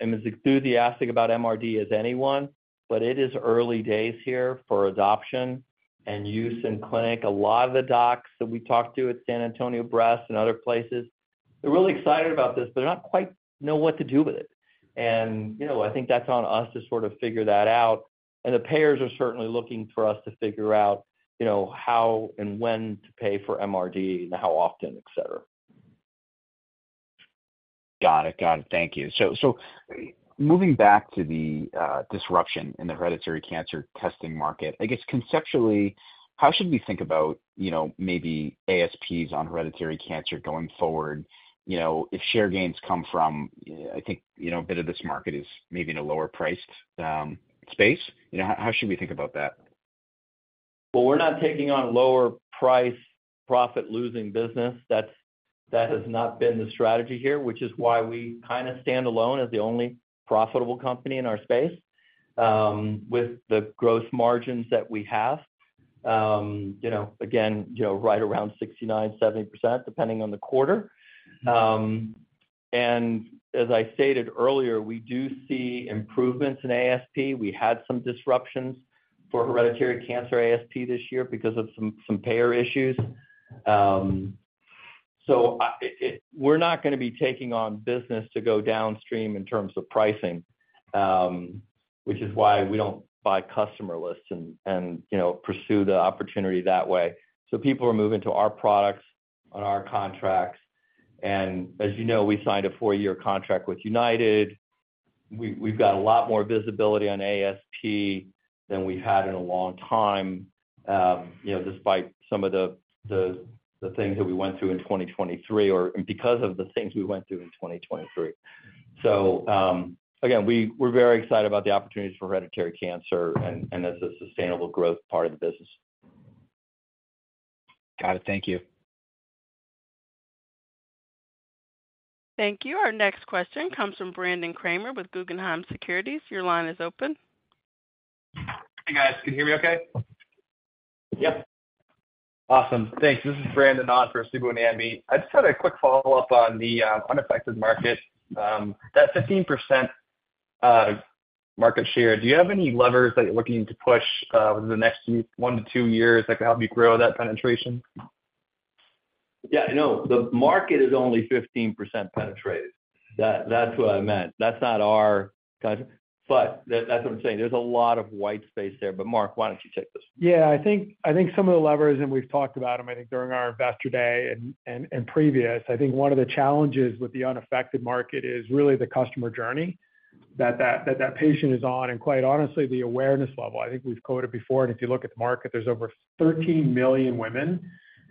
am as enthusiastic about MRD as anyone, but it is early days here for adoption and use in clinic. A lot of the docs that we talked to at San Antonio Breast and other places, they're really excited about this, but they're not quite sure what to do with it. And, you know, I think that's on us to sort of figure that out. And the payers are certainly looking for us to figure out, you know, how and when to pay for MRD and how often, et cetera. Got it. Got it. Thank you. So, moving back to the disruption in the hereditary cancer testing market, I guess conceptually, how should we think about, you know, maybe ASPs on hereditary cancer going forward? You know, if share gains come from, I think, you know, a bit of this market is maybe in a lower-priced space. You know, how should we think about that?... Well, we're not taking on lower price, profit-losing business. That's, that has not been the strategy here, which is why we kind of stand alone as the only profitable company in our space, with the growth margins that we have. You know, again, you know, right around 69%-70%, depending on the quarter. And as I stated earlier, we do see improvements in ASP. We had some disruptions for hereditary cancer ASP this year because of some payer issues. We're not going to be taking on business to go downstream in terms of pricing, which is why we don't buy customer lists and you know, pursue the opportunity that way. So people are moving to our products on our contracts, and as you know, we signed a four-year contract with United. We've got a lot more visibility on ASP than we've had in a long time, you know, despite some of the things that we went through in 2023, or because of the things we went through in 2023. So, again, we're very excited about the opportunities for hereditary cancer and as a sustainable growth part of the business. Got it. Thank you. Thank you. Our next question comes from Brandon Kramer with Guggenheim Securities. Your line is open. Hey, guys. Can you hear me okay? Yep. Awesome. Thanks. This is Brandon on for Subbu Nambi. I just had a quick follow-up on the unaffected market. That 15% market share, do you have any levers that you're looking to push within the next 1-2 years that could help you grow that penetration? Yeah, no, the market is only 15% penetrated. That, that's what I meant. That's not our kind of... But that's what I'm saying. There's a lot of white space there. But Mark, why don't you take this? Yeah, I think, I think some of the levers, and we've talked about them, I think, during our Investor Day and, and, and previous, I think one of the challenges with the unaffected market is really the customer journey that that, that that patient is on, and quite honestly, the awareness level. I think we've quoted before, and if you look at the market, there's over 13 million women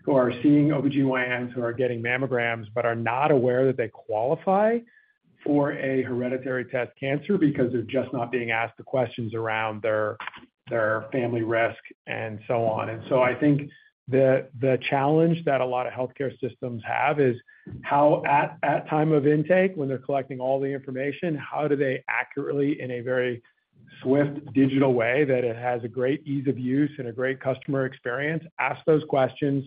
who are seeing OBGYNs, who are getting mammograms, but are not aware that they qualify for a hereditary cancer test because they're just not being asked the questions around their, their family risk and so on. And so I think the challenge that a lot of healthcare systems have is how, at time of intake, when they're collecting all the information, how do they accurately, in a very swift, digital way, that it has a great ease of use and a great customer experience, ask those questions,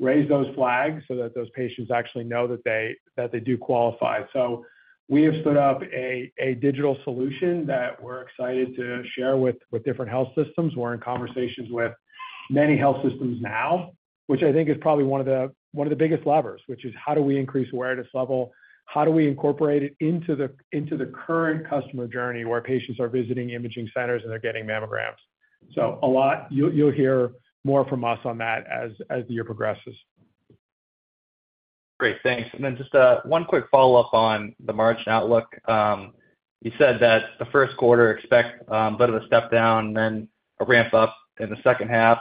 raise those flags, so that those patients actually know that they do qualify. So we have stood up a digital solution that we're excited to share with different health systems. We're in conversations with many health systems now, which I think is probably one of the biggest levers, which is how do we increase awareness level? How do we incorporate it into the current customer journey, where patients are visiting imaging centers, and they're getting mammograms? So a lot... You'll hear more from us on that as the year progresses. Great. Thanks. And then just, one quick follow-up on the margin outlook. You said that the Q1, expect, a bit of a step down, then a ramp up in the second half.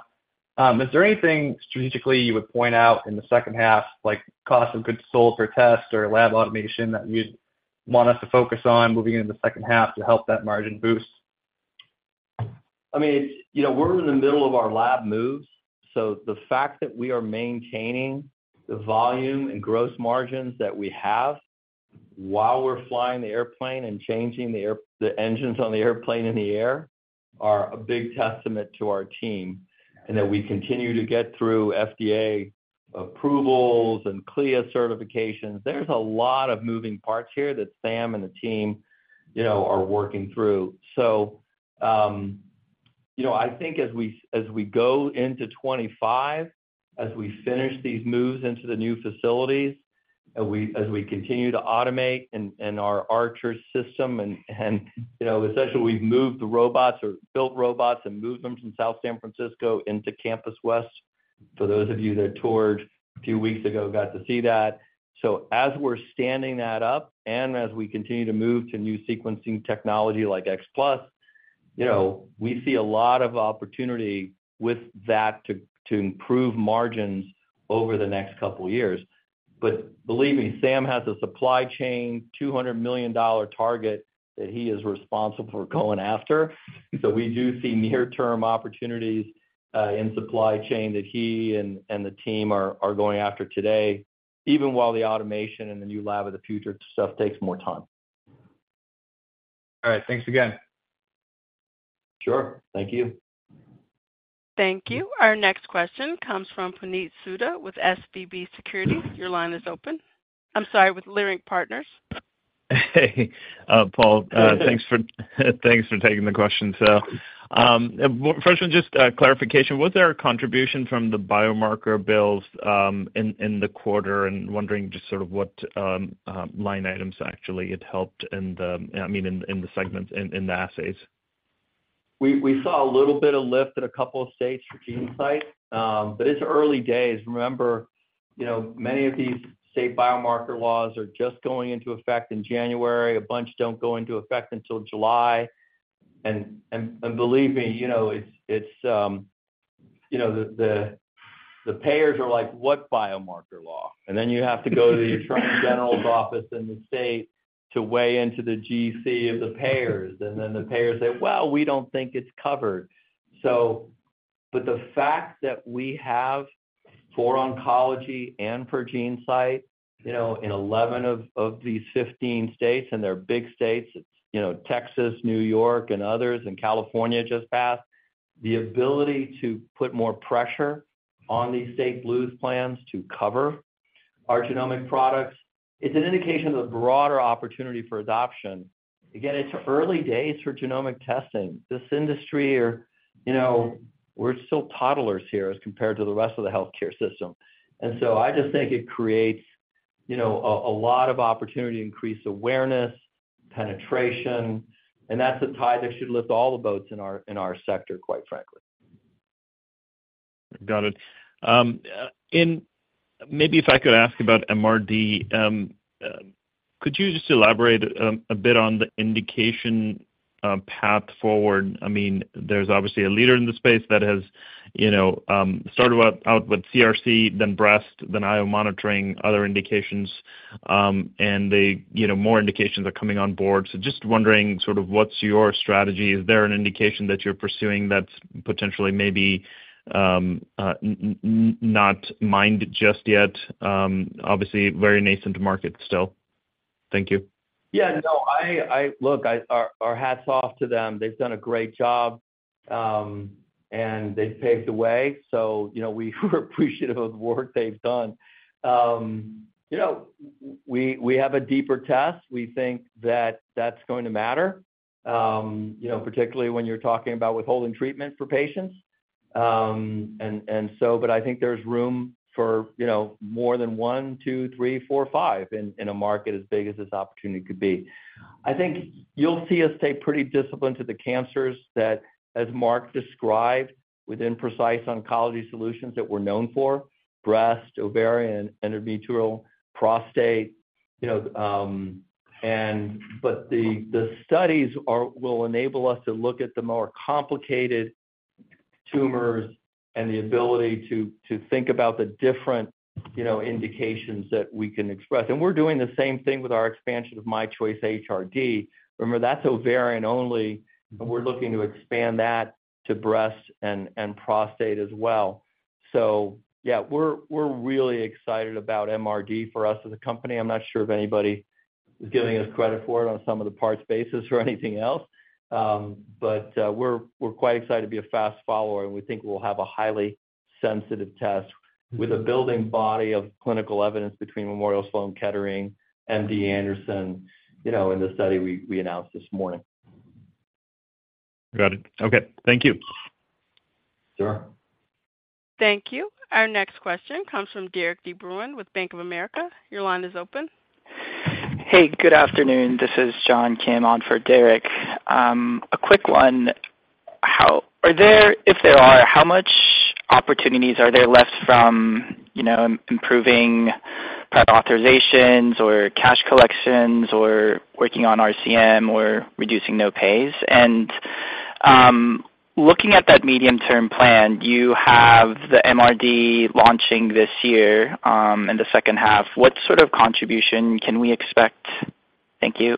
Is there anything strategically you would point out in the second half, like cost of goods sold for tests or lab automation, that you'd want us to focus on moving into the second half to help that margin boost? I mean, you know, we're in the middle of our lab moves, so the fact that we are maintaining the volume and gross margins that we have while we're flying the airplane and changing the air, the engines on the airplane in the air, are a big testament to our team, and that we continue to get through FDA approvals and CLIA certifications. There's a lot of moving parts here that Sam and the team, you know, are working through. So, you know, I think as we go into 25, as we finish these moves into the new facilities, and as we continue to automate and our Archer system and, you know, essentially, we've moved the robots or built robots and moved them from South San Francisco into Campus West. For those of you that toured a few weeks ago, got to see that. So as we're standing that up and as we continue to move to new sequencing technology like X Plus, you know, we see a lot of opportunity with that to improve margins over the next couple of years. But believe me, Sam has a supply chain $200 million target that he is responsible for going after. So we do see near-term opportunities in supply chain that he and the team are going after today, even while the automation and the new lab of the future stuff takes more time. All right. Thanks again. Sure. Thank you. Thank you. Our next question comes from Puneet Souda with SVB Securities. Your line is open. I'm sorry, with Leerink Partners. Hey, Paul, thanks for taking the question. So, first one, just clarification. Was there a contribution from the biomarker bills in the quarter? And wondering just sort of what line items actually it helped in the, I mean, in the segments, in the assays. We saw a little bit of lift in a couple of states for GeneSight, but it's early days. Remember, you know, many of these state biomarker laws are just going into effect in January. A bunch don't go into effect until July. And believe me, you know, it's, you know, the payers are like, what biomarker law? And then you have to go to the attorney general's office in the state to weigh into the GC of the payers, and then the payers say, "Well, we don't think it's covered." So. But the fact that we have for oncology and for GeneSight, you know, in 11 of these 15 states, and they're big states, you know, Texas, New York, and others, and California just passed. The ability to put more pressure on these state blues plans to cover our genomic products, it's an indication of the broader opportunity for adoption. Again, it's early days for genomic testing. This industry or, you know, we're still toddlers here as compared to the rest of the healthcare system. And so I just think it creates, you know, a lot of opportunity to increase awareness, penetration, and that's a tide that should lift all the boats in our sector, quite frankly. Got it. And maybe if I could ask about MRD, could you just elaborate a bit on the indication path forward? I mean, there's obviously a leader in the space that has, you know, started out with CRC, then breast, then IO monitoring, other indications, and they... You know, more indications are coming on board. So just wondering sort of what's your strategy? Is there an indication that you're pursuing that's potentially maybe not mind just yet? Obviously, very nascent market still. Thank you. Yeah, no. Look, our hats off to them. They've done a great job, and they've paved the way, so, you know, we are appreciative of the work they've done. You know, we have a deeper test. We think that that's going to matter, you know, particularly when you're talking about withholding treatment for patients. But I think there's room for, you know, more than 1, 2, 3, 4, 5 in a market as big as this opportunity could be. I think you'll see us stay pretty disciplined to the cancers that, as Mark described, within Precise Oncology Solutions that we're known for: breast, ovarian, endometrial, prostate, you know, and... But the studies will enable us to look at the more complicated tumors and the ability to think about the different, you know, indications that we can express. And we're doing the same thing with our expansion of myChoice HRD. Remember, that's ovarian only, but we're looking to expand that to breast and prostate as well. So yeah, we're really excited about MRD for us as a company. I'm not sure if anybody is giving us credit for it on some of the parts basis or anything else, but we're quite excited to be a fast follower, and we think we'll have a highly sensitive test with a building body of clinical evidence between Memorial Sloan Kettering, MD Anderson, you know, in the study we announced this morning. Got it. Okay, thank you. Sure. Thank you. Our next question comes from Derik de Bruin with Bank of America. Your line is open. Hey, good afternoon. This is John Kim on for Derek. A quick one: how are there, if there are, how much opportunities are there left from, you know, improving product authorizations or cash collections, or working on RCM, or reducing no pays? And, looking at that medium-term plan, you have the MRD launching this year, in the second half. What sort of contribution can we expect? Thank you.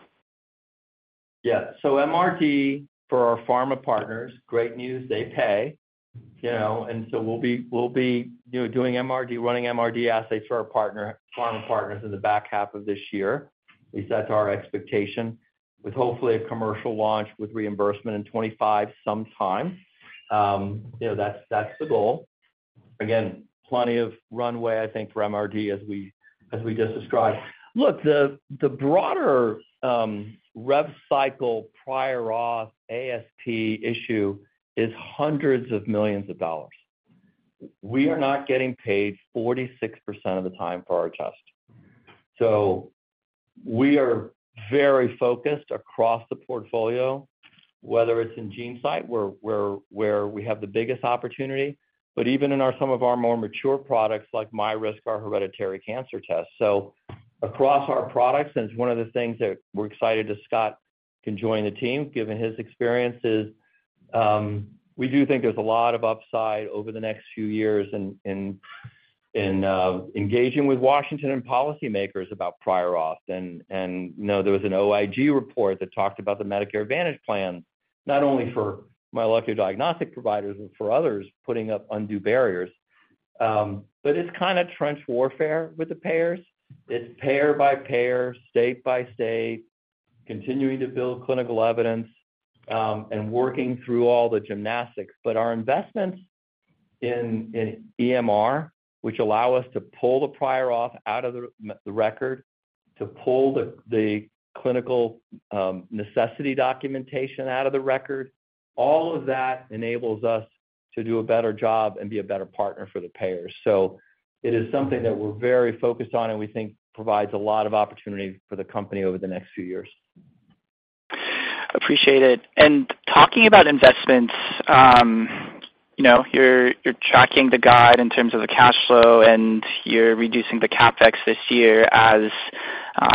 Yeah. So MRD, for our pharma partners, great news, they pay, you know, and so we'll be, we'll be, you know, doing MRD, running MRD assays for our partner- pharma partners in the back half of this year. At least that's our expectation, with hopefully a commercial launch with reimbursement in 25 sometime. You know, that's, that's the goal. Again, plenty of runway, I think, for MRD, as we, as we just described. Look, the, the broader, rev cycle, prior auth, ASP issue is $ hundreds of millions. We are not getting paid 46% of the time for our test. So we are very focused across the portfolio, whether it's in GeneSight, where, where, where we have the biggest opportunity, but even in our-- some of our more mature products, like myRisk, our hereditary cancer test. So across our products, and it's one of the things that we're excited that Scott can join the team, given his experiences, we do think there's a lot of upside over the next few years in engaging with Washington and policymakers about prior auth. And, you know, there was an OIG report that talked about the Medicare Advantage plan, not only for molecular diagnostic providers, but for others, putting up undue barriers. But it's kind of trench warfare with the payers. It's payer by payer, state by state, continuing to build clinical evidence, and working through all the gymnastics. But our investments in EMR, which allow us to pull the prior auth out of the record, to pull the clinical necessity documentation out of the record, all of that enables us to do a better job and be a better partner for the payers. So it is something that we're very focused on and we think provides a lot of opportunity for the company over the next few years. Appreciate it. Talking about investments, you know, you're tracking the guide in terms of the cash flow, and you're reducing the CapEx this year as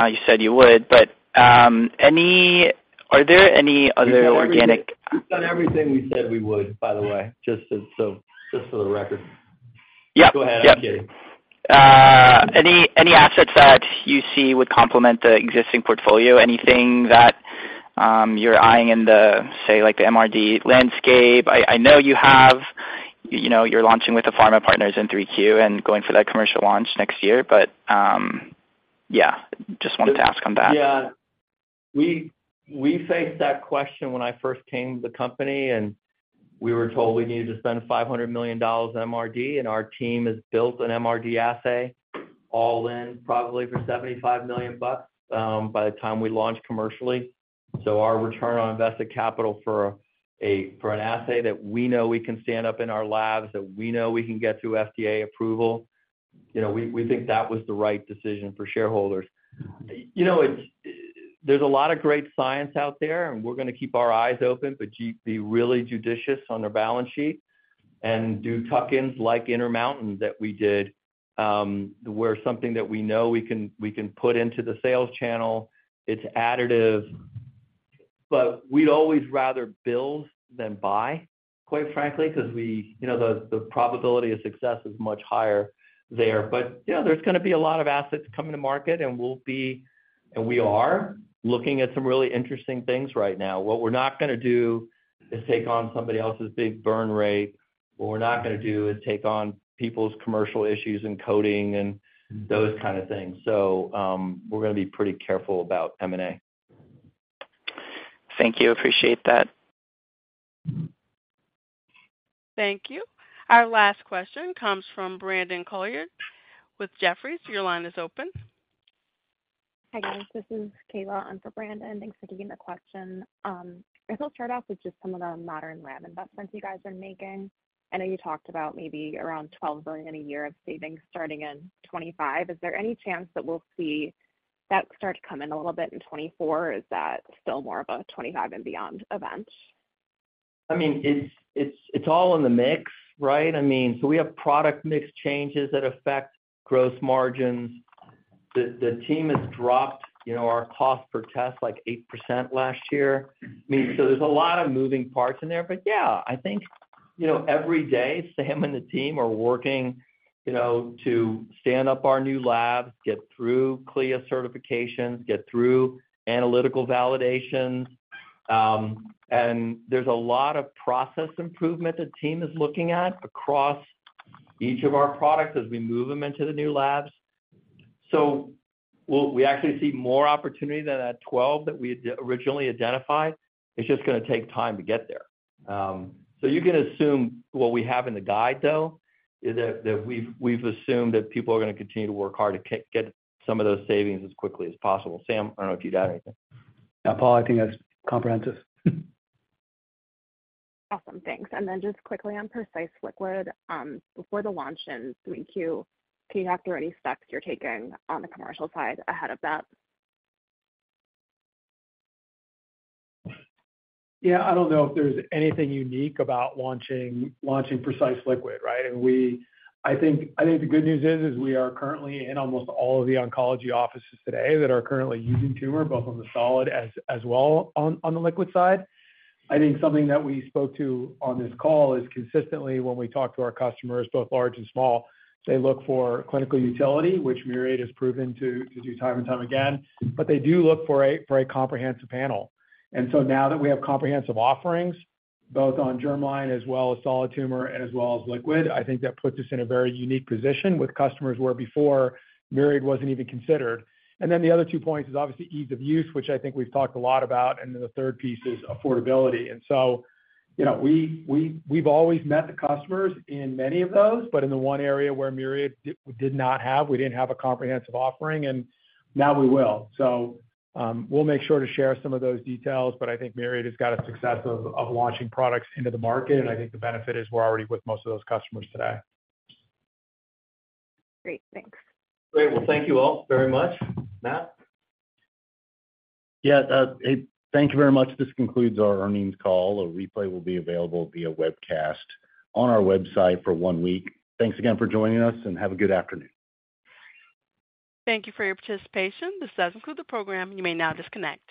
you said you would, but are there any other organic- We've done everything we said we would, by the way, just as so, just for the record. Yep. Go ahead. I'm kidding. Any assets that you see would complement the existing portfolio? Anything that you're eyeing in the, say, like, the MRD landscape? I know you have, you know, you're launching with the pharma partners in 3Q and going for that commercial launch next year. But, yeah, just wanted to ask on that. Yeah. We faced that question when I first came to the company, and we were told we needed to spend $500 million MRD, and our team has built an MRD assay all in, probably for $75 million bucks by the time we launch commercially. So our return on invested capital for an assay that we know we can stand up in our labs, that we know we can get through FDA approval, you know, we think that was the right decision for shareholders. You know, it's—there's a lot of great science out there, and we're gonna keep our eyes open, but be really judicious on our balance sheet and do tuck-ins like Intermountain that we did, where something that we know we can put into the sales channel, it's additive. But we'd always rather build than buy, quite frankly, because we- you know, the, the probability of success is much higher there. But, yeah, there's gonna be a lot of assets coming to market, and we'll be, and we are looking at some really interesting things right now. What we're not gonna do is take on somebody else's big burn rate. What we're not gonna do is take on people's commercial issues and coding and those kind of things. So, we're gonna be pretty careful about M&A. Thank you. Appreciate that. Thank you. Our last question comes from Brandon Couillard with Jefferies. Your line is open. Hi, guys. This is Kayla in for Brandon. Thanks for taking the question. I guess I'll start off with just some of the modern lab investments you guys are making. I know you talked about maybe around $12 billion in a year of savings starting in 2025. Is there any chance that we'll see that start to come in a little bit in 2024, or is that still more of a 2025 and beyond event? I mean, it's all in the mix, right? I mean, so we have product mix changes that affect gross margins. The team has dropped, you know, our cost per test, like, 8% last year. I mean, so there's a lot of moving parts in there. But, yeah, I think, you know, every day, Sam and the team are working, you know, to stand up our new labs, get through CLIA certifications, get through analytical validations, and there's a lot of process improvement the team is looking at across each of our products as we move them into the new labs. So we'll, we actually see more opportunity than that 12 that we originally identified. It's just gonna take time to get there. So, you can assume what we have in the guide, though, is that we've assumed that people are gonna continue to work hard to get some of those savings as quickly as possible. Sam, I don't know if you'd add anything. No, Paul, I think that's comprehensive. Awesome. Thanks. Then just quickly on Precise Liquid, before the launch in 3Q, can you talk through any steps you're taking on the commercial side ahead of that? Yeah, I don't know if there's anything unique about launching, launching Precise Liquid, right? And we—I think, I think the good news is, is we are currently in almost all of the oncology offices today that are currently using tumor, both on the solid, as, as well on, on the liquid side. I think something that we spoke to on this call is consistently, when we talk to our customers, both large and small, they look for clinical utility, which Myriad has proven to, to do time and time again, but they do look for a, for a comprehensive panel. And so now that we have comprehensive offerings, both on germline as well as solid tumor, as well as liquid, I think that puts us in a very unique position with customers where before Myriad wasn't even considered. Then the other two points is obviously ease of use, which I think we've talked a lot about, and then the third piece is affordability. So, you know, we've always met the customers in many of those, but in the one area where Myriad did not have, we didn't have a comprehensive offering, and now we will. So, we'll make sure to share some of those details, but I think Myriad has got a success of launching products into the market, and I think the benefit is we're already with most of those customers today. Great. Thanks. Great. Well, thank you all very much. Matt? Yeah, thank you very much. This concludes our earnings call. A replay will be available via webcast on our website for one week. Thanks again for joining us, and have a good afternoon. Thank you for your participation. This does conclude the program. You may now disconnect.